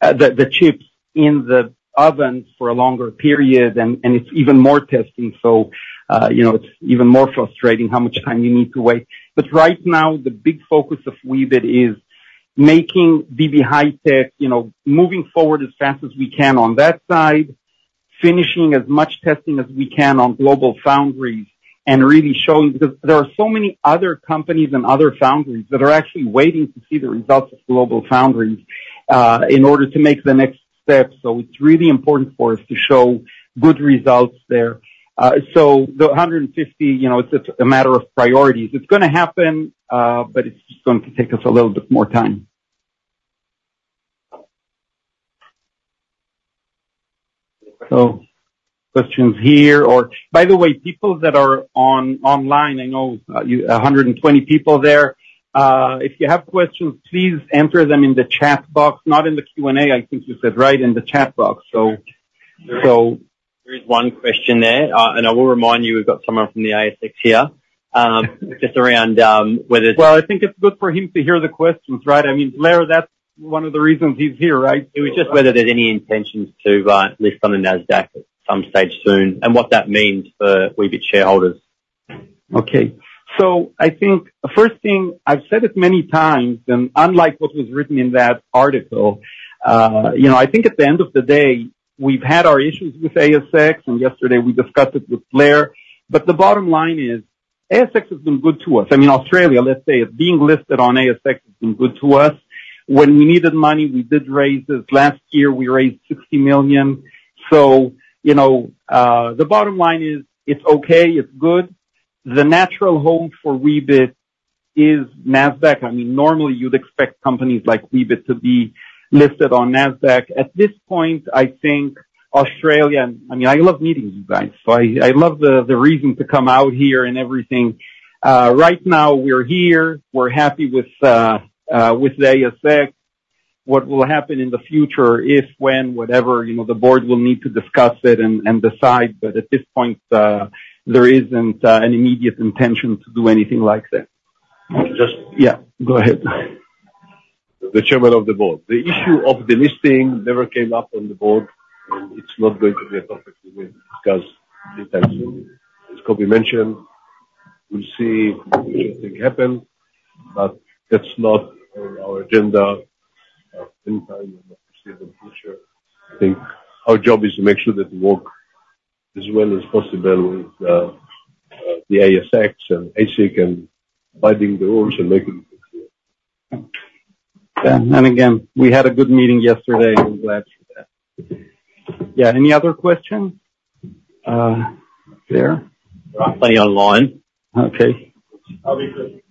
the chips in the oven for a longer period. And it's even more testing. So, you know, it's even more frustrating how much time you need to wait. But right now, the big focus of Weebit is making DB HiTek, you know, moving forward as fast as we can on that side, finishing as much testing as we can on GlobalFoundries, and really showing because there are so many other companies and other foundries that are actually waiting to see the results of GlobalFoundries, in order to make the next step. So it's really important for us to show good results there. So the 150, you know, it's a matter of priorities. It's gonna happen, but it's just going to take us a little bit more time. So questions here or by the way, people that are on online, I know you 120 people there. If you have questions, please answer them in the chat box, not in the Q&A. I think you said right, in the chat box. So, so. There is one question there. I will remind you, we've got someone from the ASX here, just around, whether. Well, I think it's good for him to hear the questions, right? I mean, Blair, that's one of the reasons he's here, right? It was just whether there's any intentions to list on the NASDAQ at some stage soon and what that means for Weebit shareholders. Okay. So I think first thing, I've said it many times. And unlike what was written in that article, you know, I think at the end of the day, we've had our issues with ASX. And yesterday, we discussed it with Blair. But the bottom line is ASX has been good to us. I mean, Australia, let's say, being listed on ASX has been good to us. When we needed money, we did raise this. Last year, we raised 60 million. So, you know, the bottom line is it's okay. It's good. The natural home for Weebit is NASDAQ. I mean, normally, you'd expect companies like Weebit to be listed on NASDAQ. At this point, I think Australia and I mean, I love meeting you guys. So I, I love the, the reason to come out here and everything. Right now, we're here. We're happy with, with ASX. What will happen in the future, if, when, whatever, you know, the board will need to discuss it and decide. But at this point, there isn't an immediate intention to do anything like that. Just. Yeah. Go ahead. The Chairman of the Board. The issue of delisting never came up on the board. It's not going to be a topic we will discuss anytime soon. As Coby mentioned, we'll see what should happen. That's not on our agenda at any time in the foreseeable future. I think our job is to make sure that it works as well as possible with the ASX and ASIC and abiding the rules and making it. Yeah. Again, we had a good meeting yesterday. I'm glad for that. Yeah. Any other questions there? There aren't any online. Okay. I'll be good.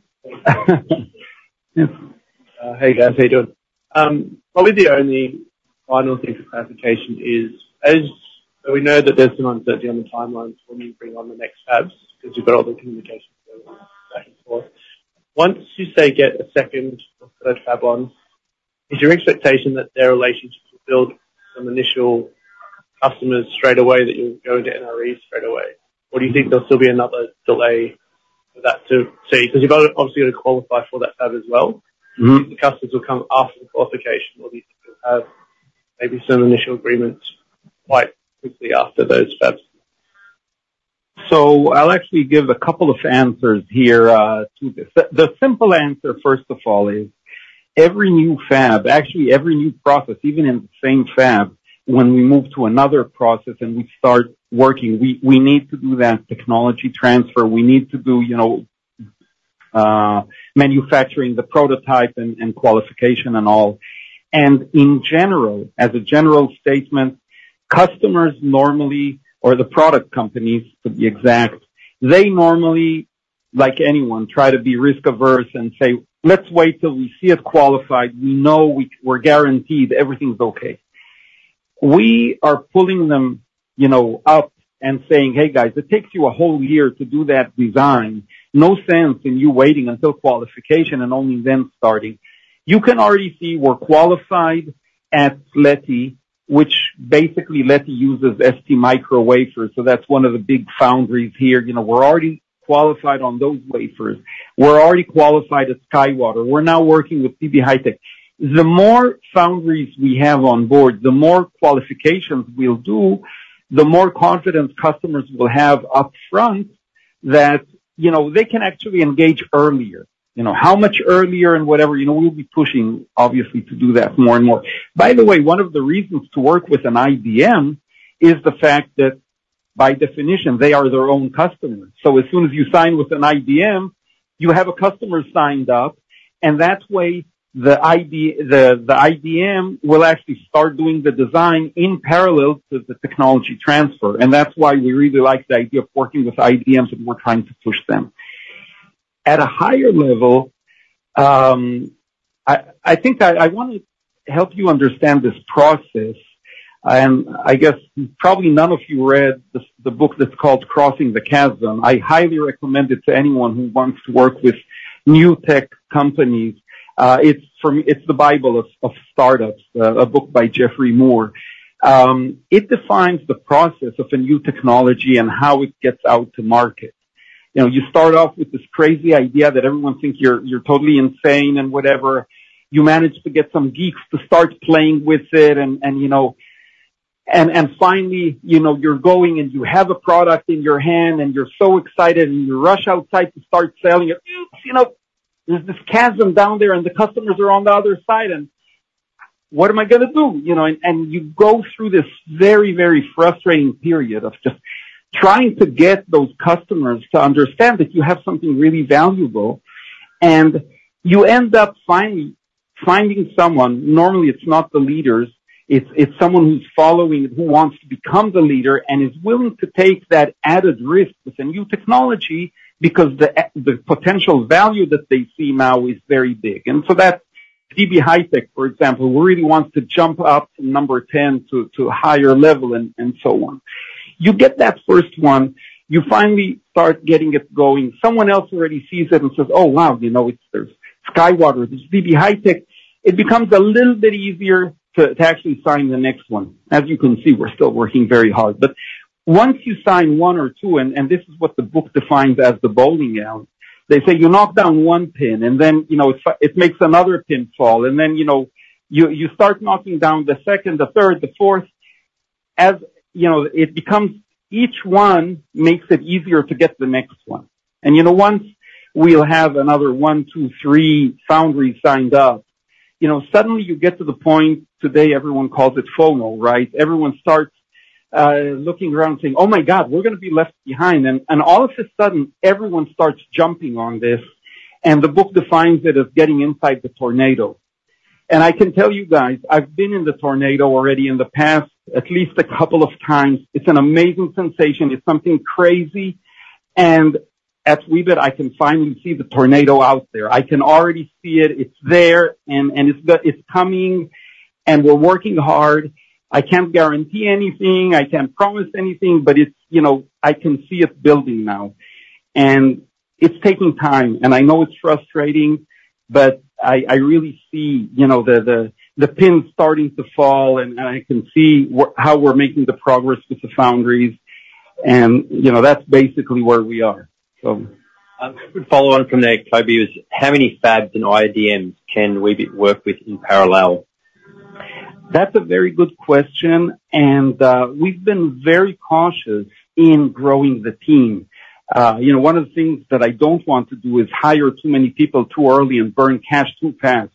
Thank you. Yep. Hey, guys. How you doing? Probably the only final thing for clarification is, as we know that there's some uncertainty on the timelines when you bring on the next fabs because you've got all the communications going back and forth. Once you say get a second or third fab on, is your expectation that their relationship will build some initial customers straight away, that you'll go into NREs straight away? Or do you think there'll still be another delay for that to see? Because you've obviously gotta qualify for that fab as well. Mm-hmm. The customers will come after the qualification, or do you think you'll have maybe some initial agreements quite quickly after those fabs? So I'll actually give a couple of answers here, to this. The simple answer, first of all, is every new fab actually, every new process, even in the same fab, when we move to another process and we start working, we need to do that technology transfer. We need to do, you know, manufacturing, the prototype, and qualification and all. And in general, as a general statement, customers normally or the product companies, to be exact, they normally, like anyone, try to be risk-averse and say, "Let's wait till we see it qualified. We know we're guaranteed. Everything's okay." We are pulling them, you know, up and saying, "Hey, guys. It takes you a whole year to do that design. No sense in you waiting until qualification and only then starting. You can already see we're qualified at Leti, which basically Leti uses ST Micro wafers. So that's one of the big foundries here. You know, we're already qualified on those wafers. We're already qualified at SkyWater. We're now working with DB HiTek. The more foundries we have on board, the more qualifications we'll do, the more confidence customers will have upfront that, you know, they can actually engage earlier. You know, how much earlier and whatever. You know, we'll be pushing, obviously, to do that more and more. By the way, one of the reasons to work with an IDM is the fact that, by definition, they are their own customers. So as soon as you sign with an IDM, you have a customer signed up. And that way, the IDM will actually start doing the design in parallel to the technology transfer. And that's why we really like the idea of working with IDMs, and we're trying to push them. At a higher level, I think I wanna help you understand this process. I guess probably none of you read the book that's called Crossing the Chasm. I highly recommend it to anyone who wants to work with new tech companies. It's from. It's the Bible of startups, a book by Geoffrey Moore. It defines the process of a new technology and how it gets out to market. You know, you start off with this crazy idea that everyone thinks you're totally insane and whatever. You manage to get some geeks to start playing with it. And you know, finally, you know, you're going, and you have a product in your hand, and you're so excited, and you rush outside to start selling it. Oops. You know, there's this chasm down there, and the customers are on the other side. And what am I gonna do? You know, and, and you go through this very, very frustrating period of just trying to get those customers to understand that you have something really valuable. And you end up finally finding someone. Normally, it's not the leaders. It's, it's someone who's following it, who wants to become the leader, and is willing to take that added risk with a new technology because the, the potential value that they see now is very big. And so that DB HiTek, for example, really wants to jump up from number 10 to, to a higher level and, and so on. You get that first one. You finally start getting it going. Someone else already sees it and says, "Oh, wow. You know, it's there's SkyWater. There's DB HiTek." It becomes a little bit easier to, to actually sign the next one. As you can see, we're still working very hard. But once you sign one or two and this is what the book defines as the bowling alley they say, you knock down one pin, and then, you know, it makes another pin fall. And then, you know, you start knocking down the second, the third, the fourth. As you know, it becomes each one makes it easier to get the next one. And you know, once we'll have another one, two, three foundries signed up, you know, suddenly, you get to the point today, everyone calls it FOMO, right? Everyone starts looking around saying, "Oh, my God. We're gonna be left behind." And all of a sudden, everyone starts jumping on this. And the book defines it as getting inside the tornado. And I can tell you guys, I've been in the tornado already in the past at least a couple of times. It's an amazing sensation. It's something crazy. And at Weebit, I can finally see the tornado out there. I can already see it. It's there. And it's coming. And we're working hard. I can't guarantee anything. I can't promise anything. But it's, you know, I can see it building now. And it's taking time. And I know it's frustrating. But I really see, you know, the pins starting to fall. And I can see how we're making the progress with the foundries. And, you know, that's basically where we are, so. Follow on from there, Coby, is how many fabs and IDMs can Weebit work with in parallel? That's a very good question. We've been very cautious in growing the team. You know, one of the things that I don't want to do is hire too many people too early and burn cash too fast.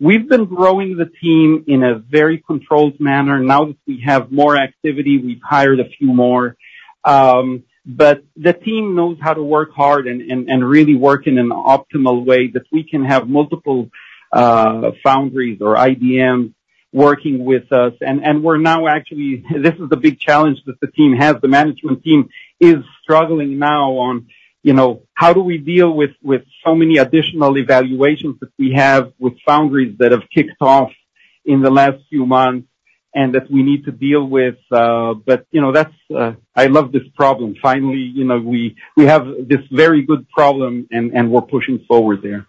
We've been growing the team in a very controlled manner. Now that we have more activity, we've hired a few more. The team knows how to work hard and really work in an optimal way that we can have multiple foundries or IDMs working with us. We're now actually. This is the big challenge that the team has. The management team is struggling now, you know, how do we deal with so many additional evaluations that we have with foundries that have kicked off in the last few months and that we need to deal with. But, you know, that's. I love this problem. Finally, you know, we have this very good problem, and we're pushing forward there.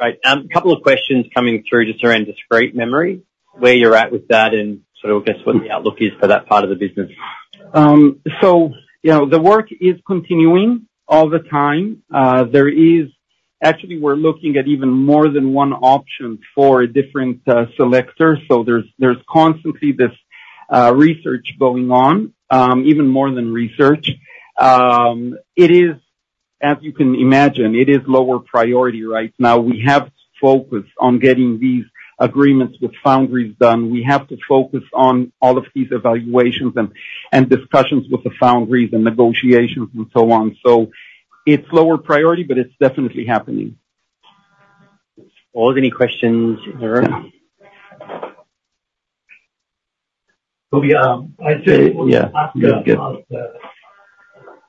Right. A couple of questions coming through just around discrete memory, where you're at with that and sort of, I guess, what the outlook is for that part of the business. So, you know, the work is continuing all the time. There is actually, we're looking at even more than one option for a different selector. So there's, there's constantly this research going on, even more than research. It is, as you can imagine, it is lower priority right now. We have to focus on getting these agreements with foundries done. We have to focus on all of these evaluations and, and discussions with the foundries and negotiations and so on. So it's lower priority, but it's definitely happening. All the questions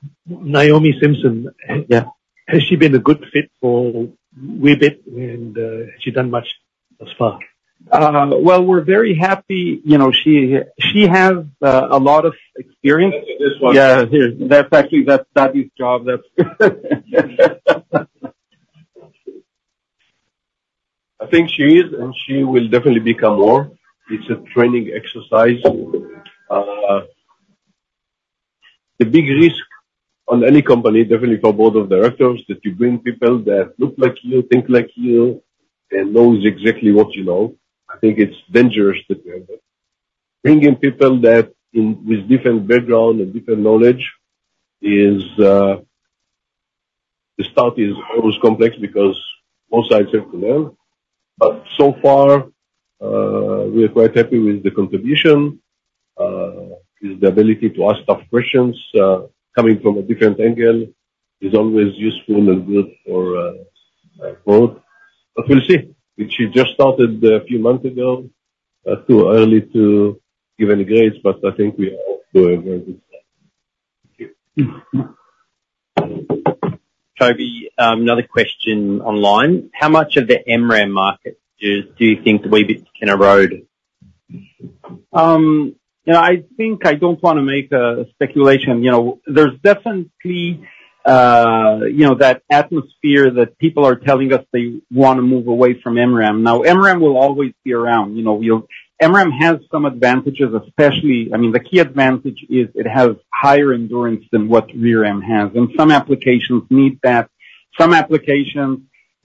in the room. Coby, I'd say. Yeah. Let's ask about Naomi Simson. Yeah. Has she been a good fit for Weebit, and has she done much thus far? Well, we're very happy. You know, she has a lot of experience. Let's get this one. Yeah. Here. That's actually that is job. That's. I think she is. And she will definitely become more. It's a training exercise. The big risk on any company, definitely for board of directors, is that you bring people that look like you, think like you, and know exactly what you know. I think it's dangerous to do that. Bringing people that in with different background and different knowledge is, the start is always complex because both sides have to learn. But so far, we are quite happy with the contribution, with the ability to ask tough questions. Coming from a different angle is always useful and good for growth. But we'll see. I mean, she just started a few months ago, too early to give any grades. But I think we are off to a very good start. Thank you. Coby, another question online. How much of the MRAM market do you think Weebit can erode? You know, I think I don't wanna make a speculation. You know, there's definitely, you know, that atmosphere that people are telling us they wanna move away from MRAM. Now, MRAM will always be around. You know, well, MRAM has some advantages, especially I mean, the key advantage is it has higher endurance than what RRAM has. And some applications need that. Some applications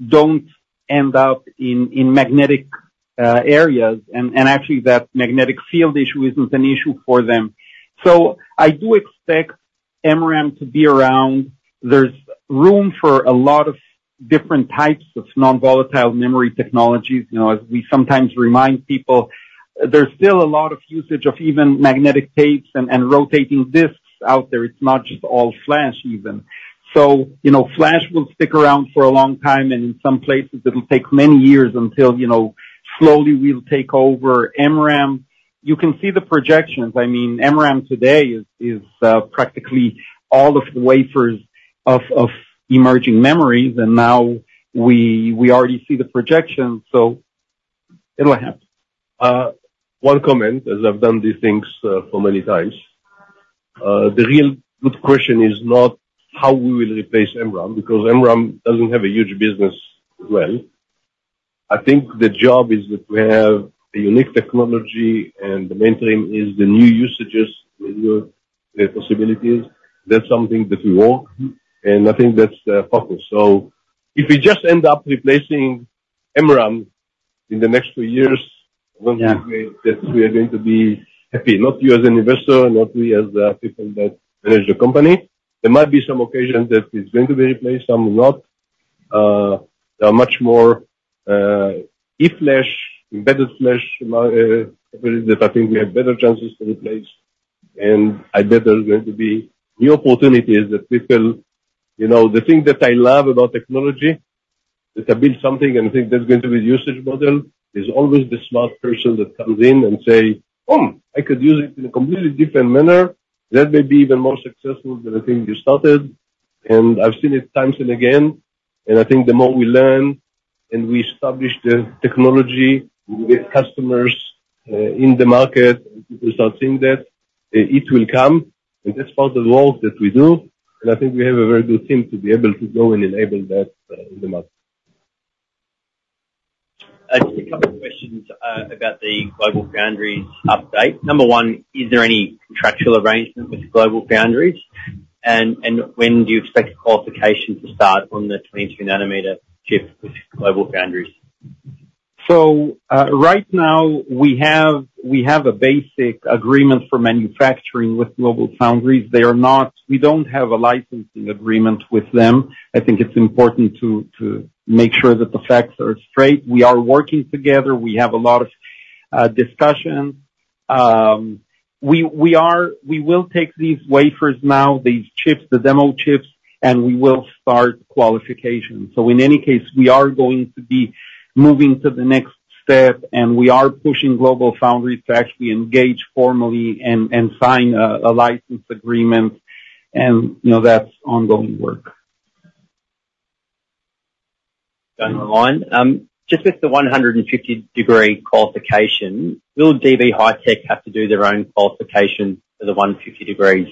don't end up in, in magnetic, areas. And, and actually, that magnetic field issue isn't an issue for them. So I do expect MRAM to be around. There's room for a lot of different types of non-volatile memory technologies. You know, as we sometimes remind people, there's still a lot of usage of even magnetic tapes and, and rotating disks out there. It's not just all flash even. So, you know, flash will stick around for a long time. In some places, it'll take many years until, you know, slowly, we'll take over MRAM. You can see the projections. I mean, MRAM today is practically all of the wafers of emerging memories. And now, we already see the projections. So it'll happen. One comment, as I've done these things for many times. The real good question is not how we will replace MRAM because MRAM doesn't have a huge business as well. I think the job is that we have a unique technology, and the main thing is the new usages, the new possibilities. That's something that we work. And I think that's the focus. So if we just end up replacing MRAM in the next few years, I don't think we that we are going to be happy, not you as an investor, not we as people that manage the company. There might be some occasions that it's going to be replaced, some not. There are much more eFlash, embedded flash companies that I think we have better chances to replace. I bet there's going to be new opportunities that people, you know, the thing that I love about technology, that I build something, and I think that's going to be the usage model, is always the smart person that comes in and say, "Oh, I could use it in a completely different manner. That may be even more successful than the thing you started." And I've seen it times and again. And I think the more we learn and we establish the technology, we get customers in the market, and people start seeing that, it will come. And that's part of the work that we do. And I think we have a very good team to be able to go and enable that in the market. Just a couple of questions about the GlobalFoundries update. Number one, is there any contractual arrangement with GlobalFoundries? And when do you expect qualification to start on the 22nm chip with GlobalFoundries? So, right now, we have a basic agreement for manufacturing with GlobalFoundries. They are not, we don't have a licensing agreement with them. I think it's important to make sure that the facts are straight. We are working together. We have a lot of discussions. We will take these wafers now, these chips, the demo chips, and we will start qualification. So in any case, we are going to be moving to the next step. And we are pushing GlobalFoundries to actually engage formally and sign a license agreement. And, you know, that's ongoing work. Just with the 150-degree qualification, will DB HiTek have to do their own qualification for the 150 degrees?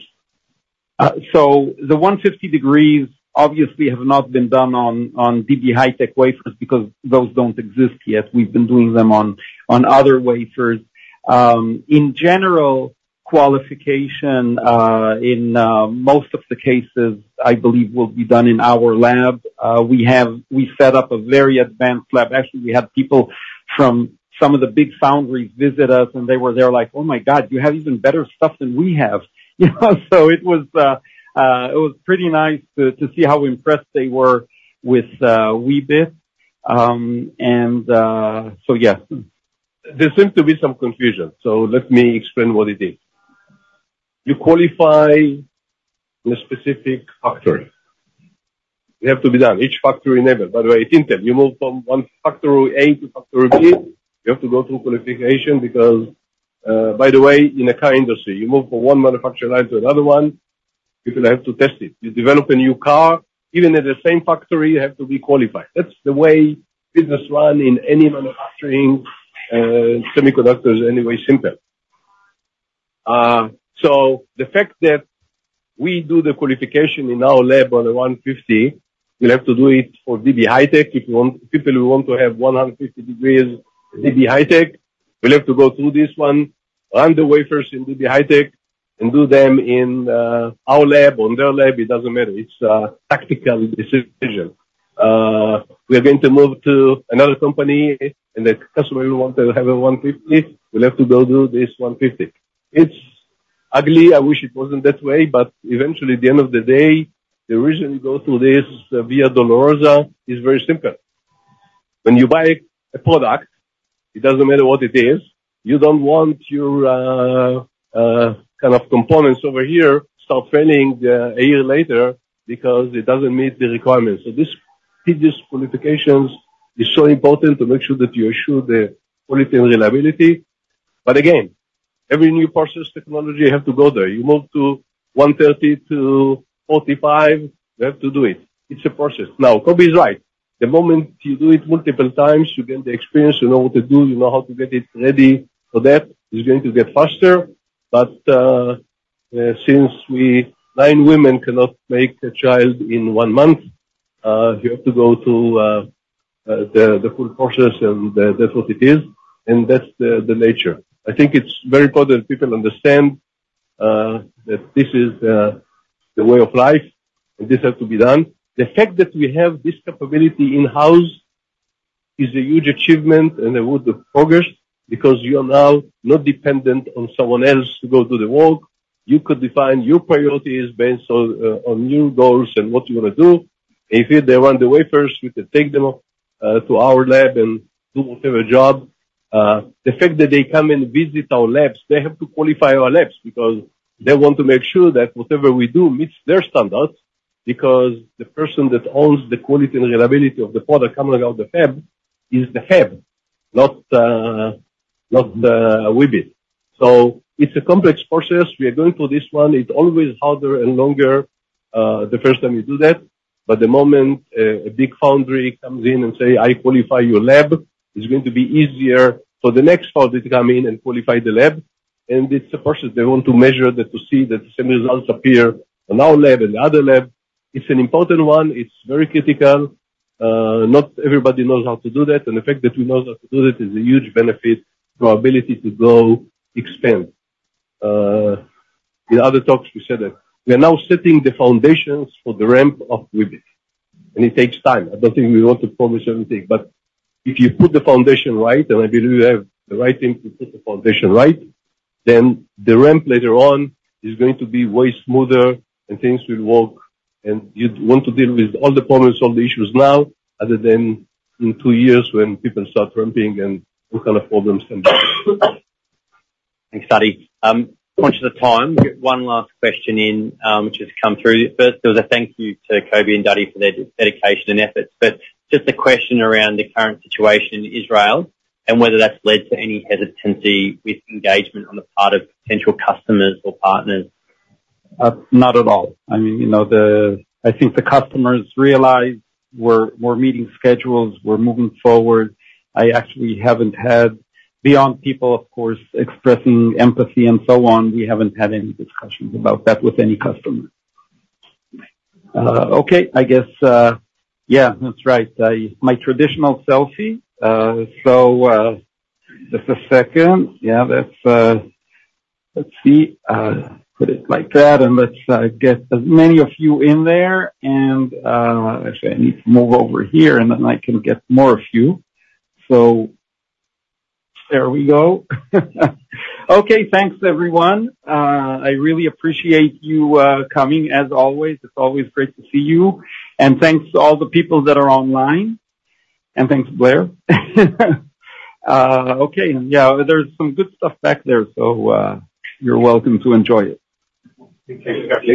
So the 150 degrees obviously have not been done on DB HiTek wafers because those don't exist yet. We've been doing them on other wafers. In general, qualification, in most of the cases, I believe, will be done in our lab. We set up a very advanced lab. Actually, we had people from some of the big foundries visit us. And they were there like, "Oh, my God. You have even better stuff than we have." You know, so it was pretty nice to see how impressed they were with Weebit. So yeah. There seems to be some confusion. So let me explain what it is. You qualify in a specific factory. It has to be done. Each factory enabled. By the way, it's Intel. You move from one factory A to factory B, you have to go through qualification because, by the way, in a car industry, you move from one manufacturing line to another one, people have to test it. You develop a new car. Even at the same factory, you have to be qualified. That's the way business run in any manufacturing, semiconductors anyway, simple. So the fact that we do the qualification in our lab on the 150, we'll have to do it for DB HiTek if you want people who want to have 150 degrees DB HiTek. We'll have to go through this one, run the wafers in DB HiTek, and do them in our lab, on their lab. It doesn't matter. It's tactical decision. We are going to move to another company. The customer will want to have a 150. We'll have to go through this 150. It's ugly. I wish it wasn't that way. Eventually, at the end of the day, the reason you go through this Via Dolorosa is very simple. When you buy a product, it doesn't matter what it is. You don't want your kind of components over here start failing a year later because it doesn't meet the requirements. So this huge qualifications is so important to make sure that you assure the quality and reliability. Again, every new process technology, you have to go there. You move to 130 to 45, you have to do it. It's a process. Now, Coby is right. The moment you do it multiple times, you get the experience. You know what to do. You know how to get it ready for that. It's going to get faster. But since nine women cannot make a child in one month, you have to go through the full process. And that's what it is. And that's the nature. I think it's very important that people understand that this is the way of life. And this has to be done. The fact that we have this capability in-house is a huge achievement and a world of progress because you are now not dependent on someone else to go do the work. You could define your priorities based on your goals and what you wanna do. If they run the wafers, we could take them off to our lab and do whatever job. The fact that they come and visit our labs, they have to qualify our labs because they want to make sure that whatever we do meets their standards because the person that owns the quality and reliability of the product coming out of the fab is the fab, not, not, Weebit. So it's a complex process. We are going through this one. It's always harder and longer the first time you do that. But the moment a big foundry comes in and say, "I qualify your lab," it's going to be easier for the next foundry to come in and qualify the lab. And it's a process. They want to measure that to see that the same results appear on our lab and the other lab. It's an important one. It's very critical. Not everybody knows how to do that. The fact that we know how to do that is a huge benefit to our ability to go expand. In other talks, we said that we are now setting the foundations for the ramp of Weebit. It takes time. I don't think we want to promise everything. If you put the foundation right, and I believe you have the right thing to put the foundation right, then the ramp later on is going to be way smoother. Things will work. You'd want to deal with all the problems, all the issues now, other than in two years when people start ramping and all kind of problems come back. Thanks, Dadi. Out of time. We'll get one last question in, which has come through. First, there was a thank you to Coby and Dadi for their dedication and efforts. But just a question around the current situation in Israel and whether that's led to any hesitancy with engagement on the part of potential customers or partners. Not at all. I mean, you know, I think the customers realize we're meeting schedules. We're moving forward. I actually haven't had beyond people, of course, expressing empathy and so on, we haven't had any discussions about that with any customer. Okay. I guess, yeah. That's right. It's my traditional selfie. So, just a second. Yeah. That's, let's see. Put it like that. And let's get as many of you in there. And, actually, I need to move over here. And then I can get more of you. So there we go. Okay. Thanks, everyone. I really appreciate you coming as always. It's always great to see you. And thanks to all the people that are online. And thanks, Blair. Okay. And yeah. There's some good stuff back there. So, you're welcome to enjoy it. Thank you, Coby.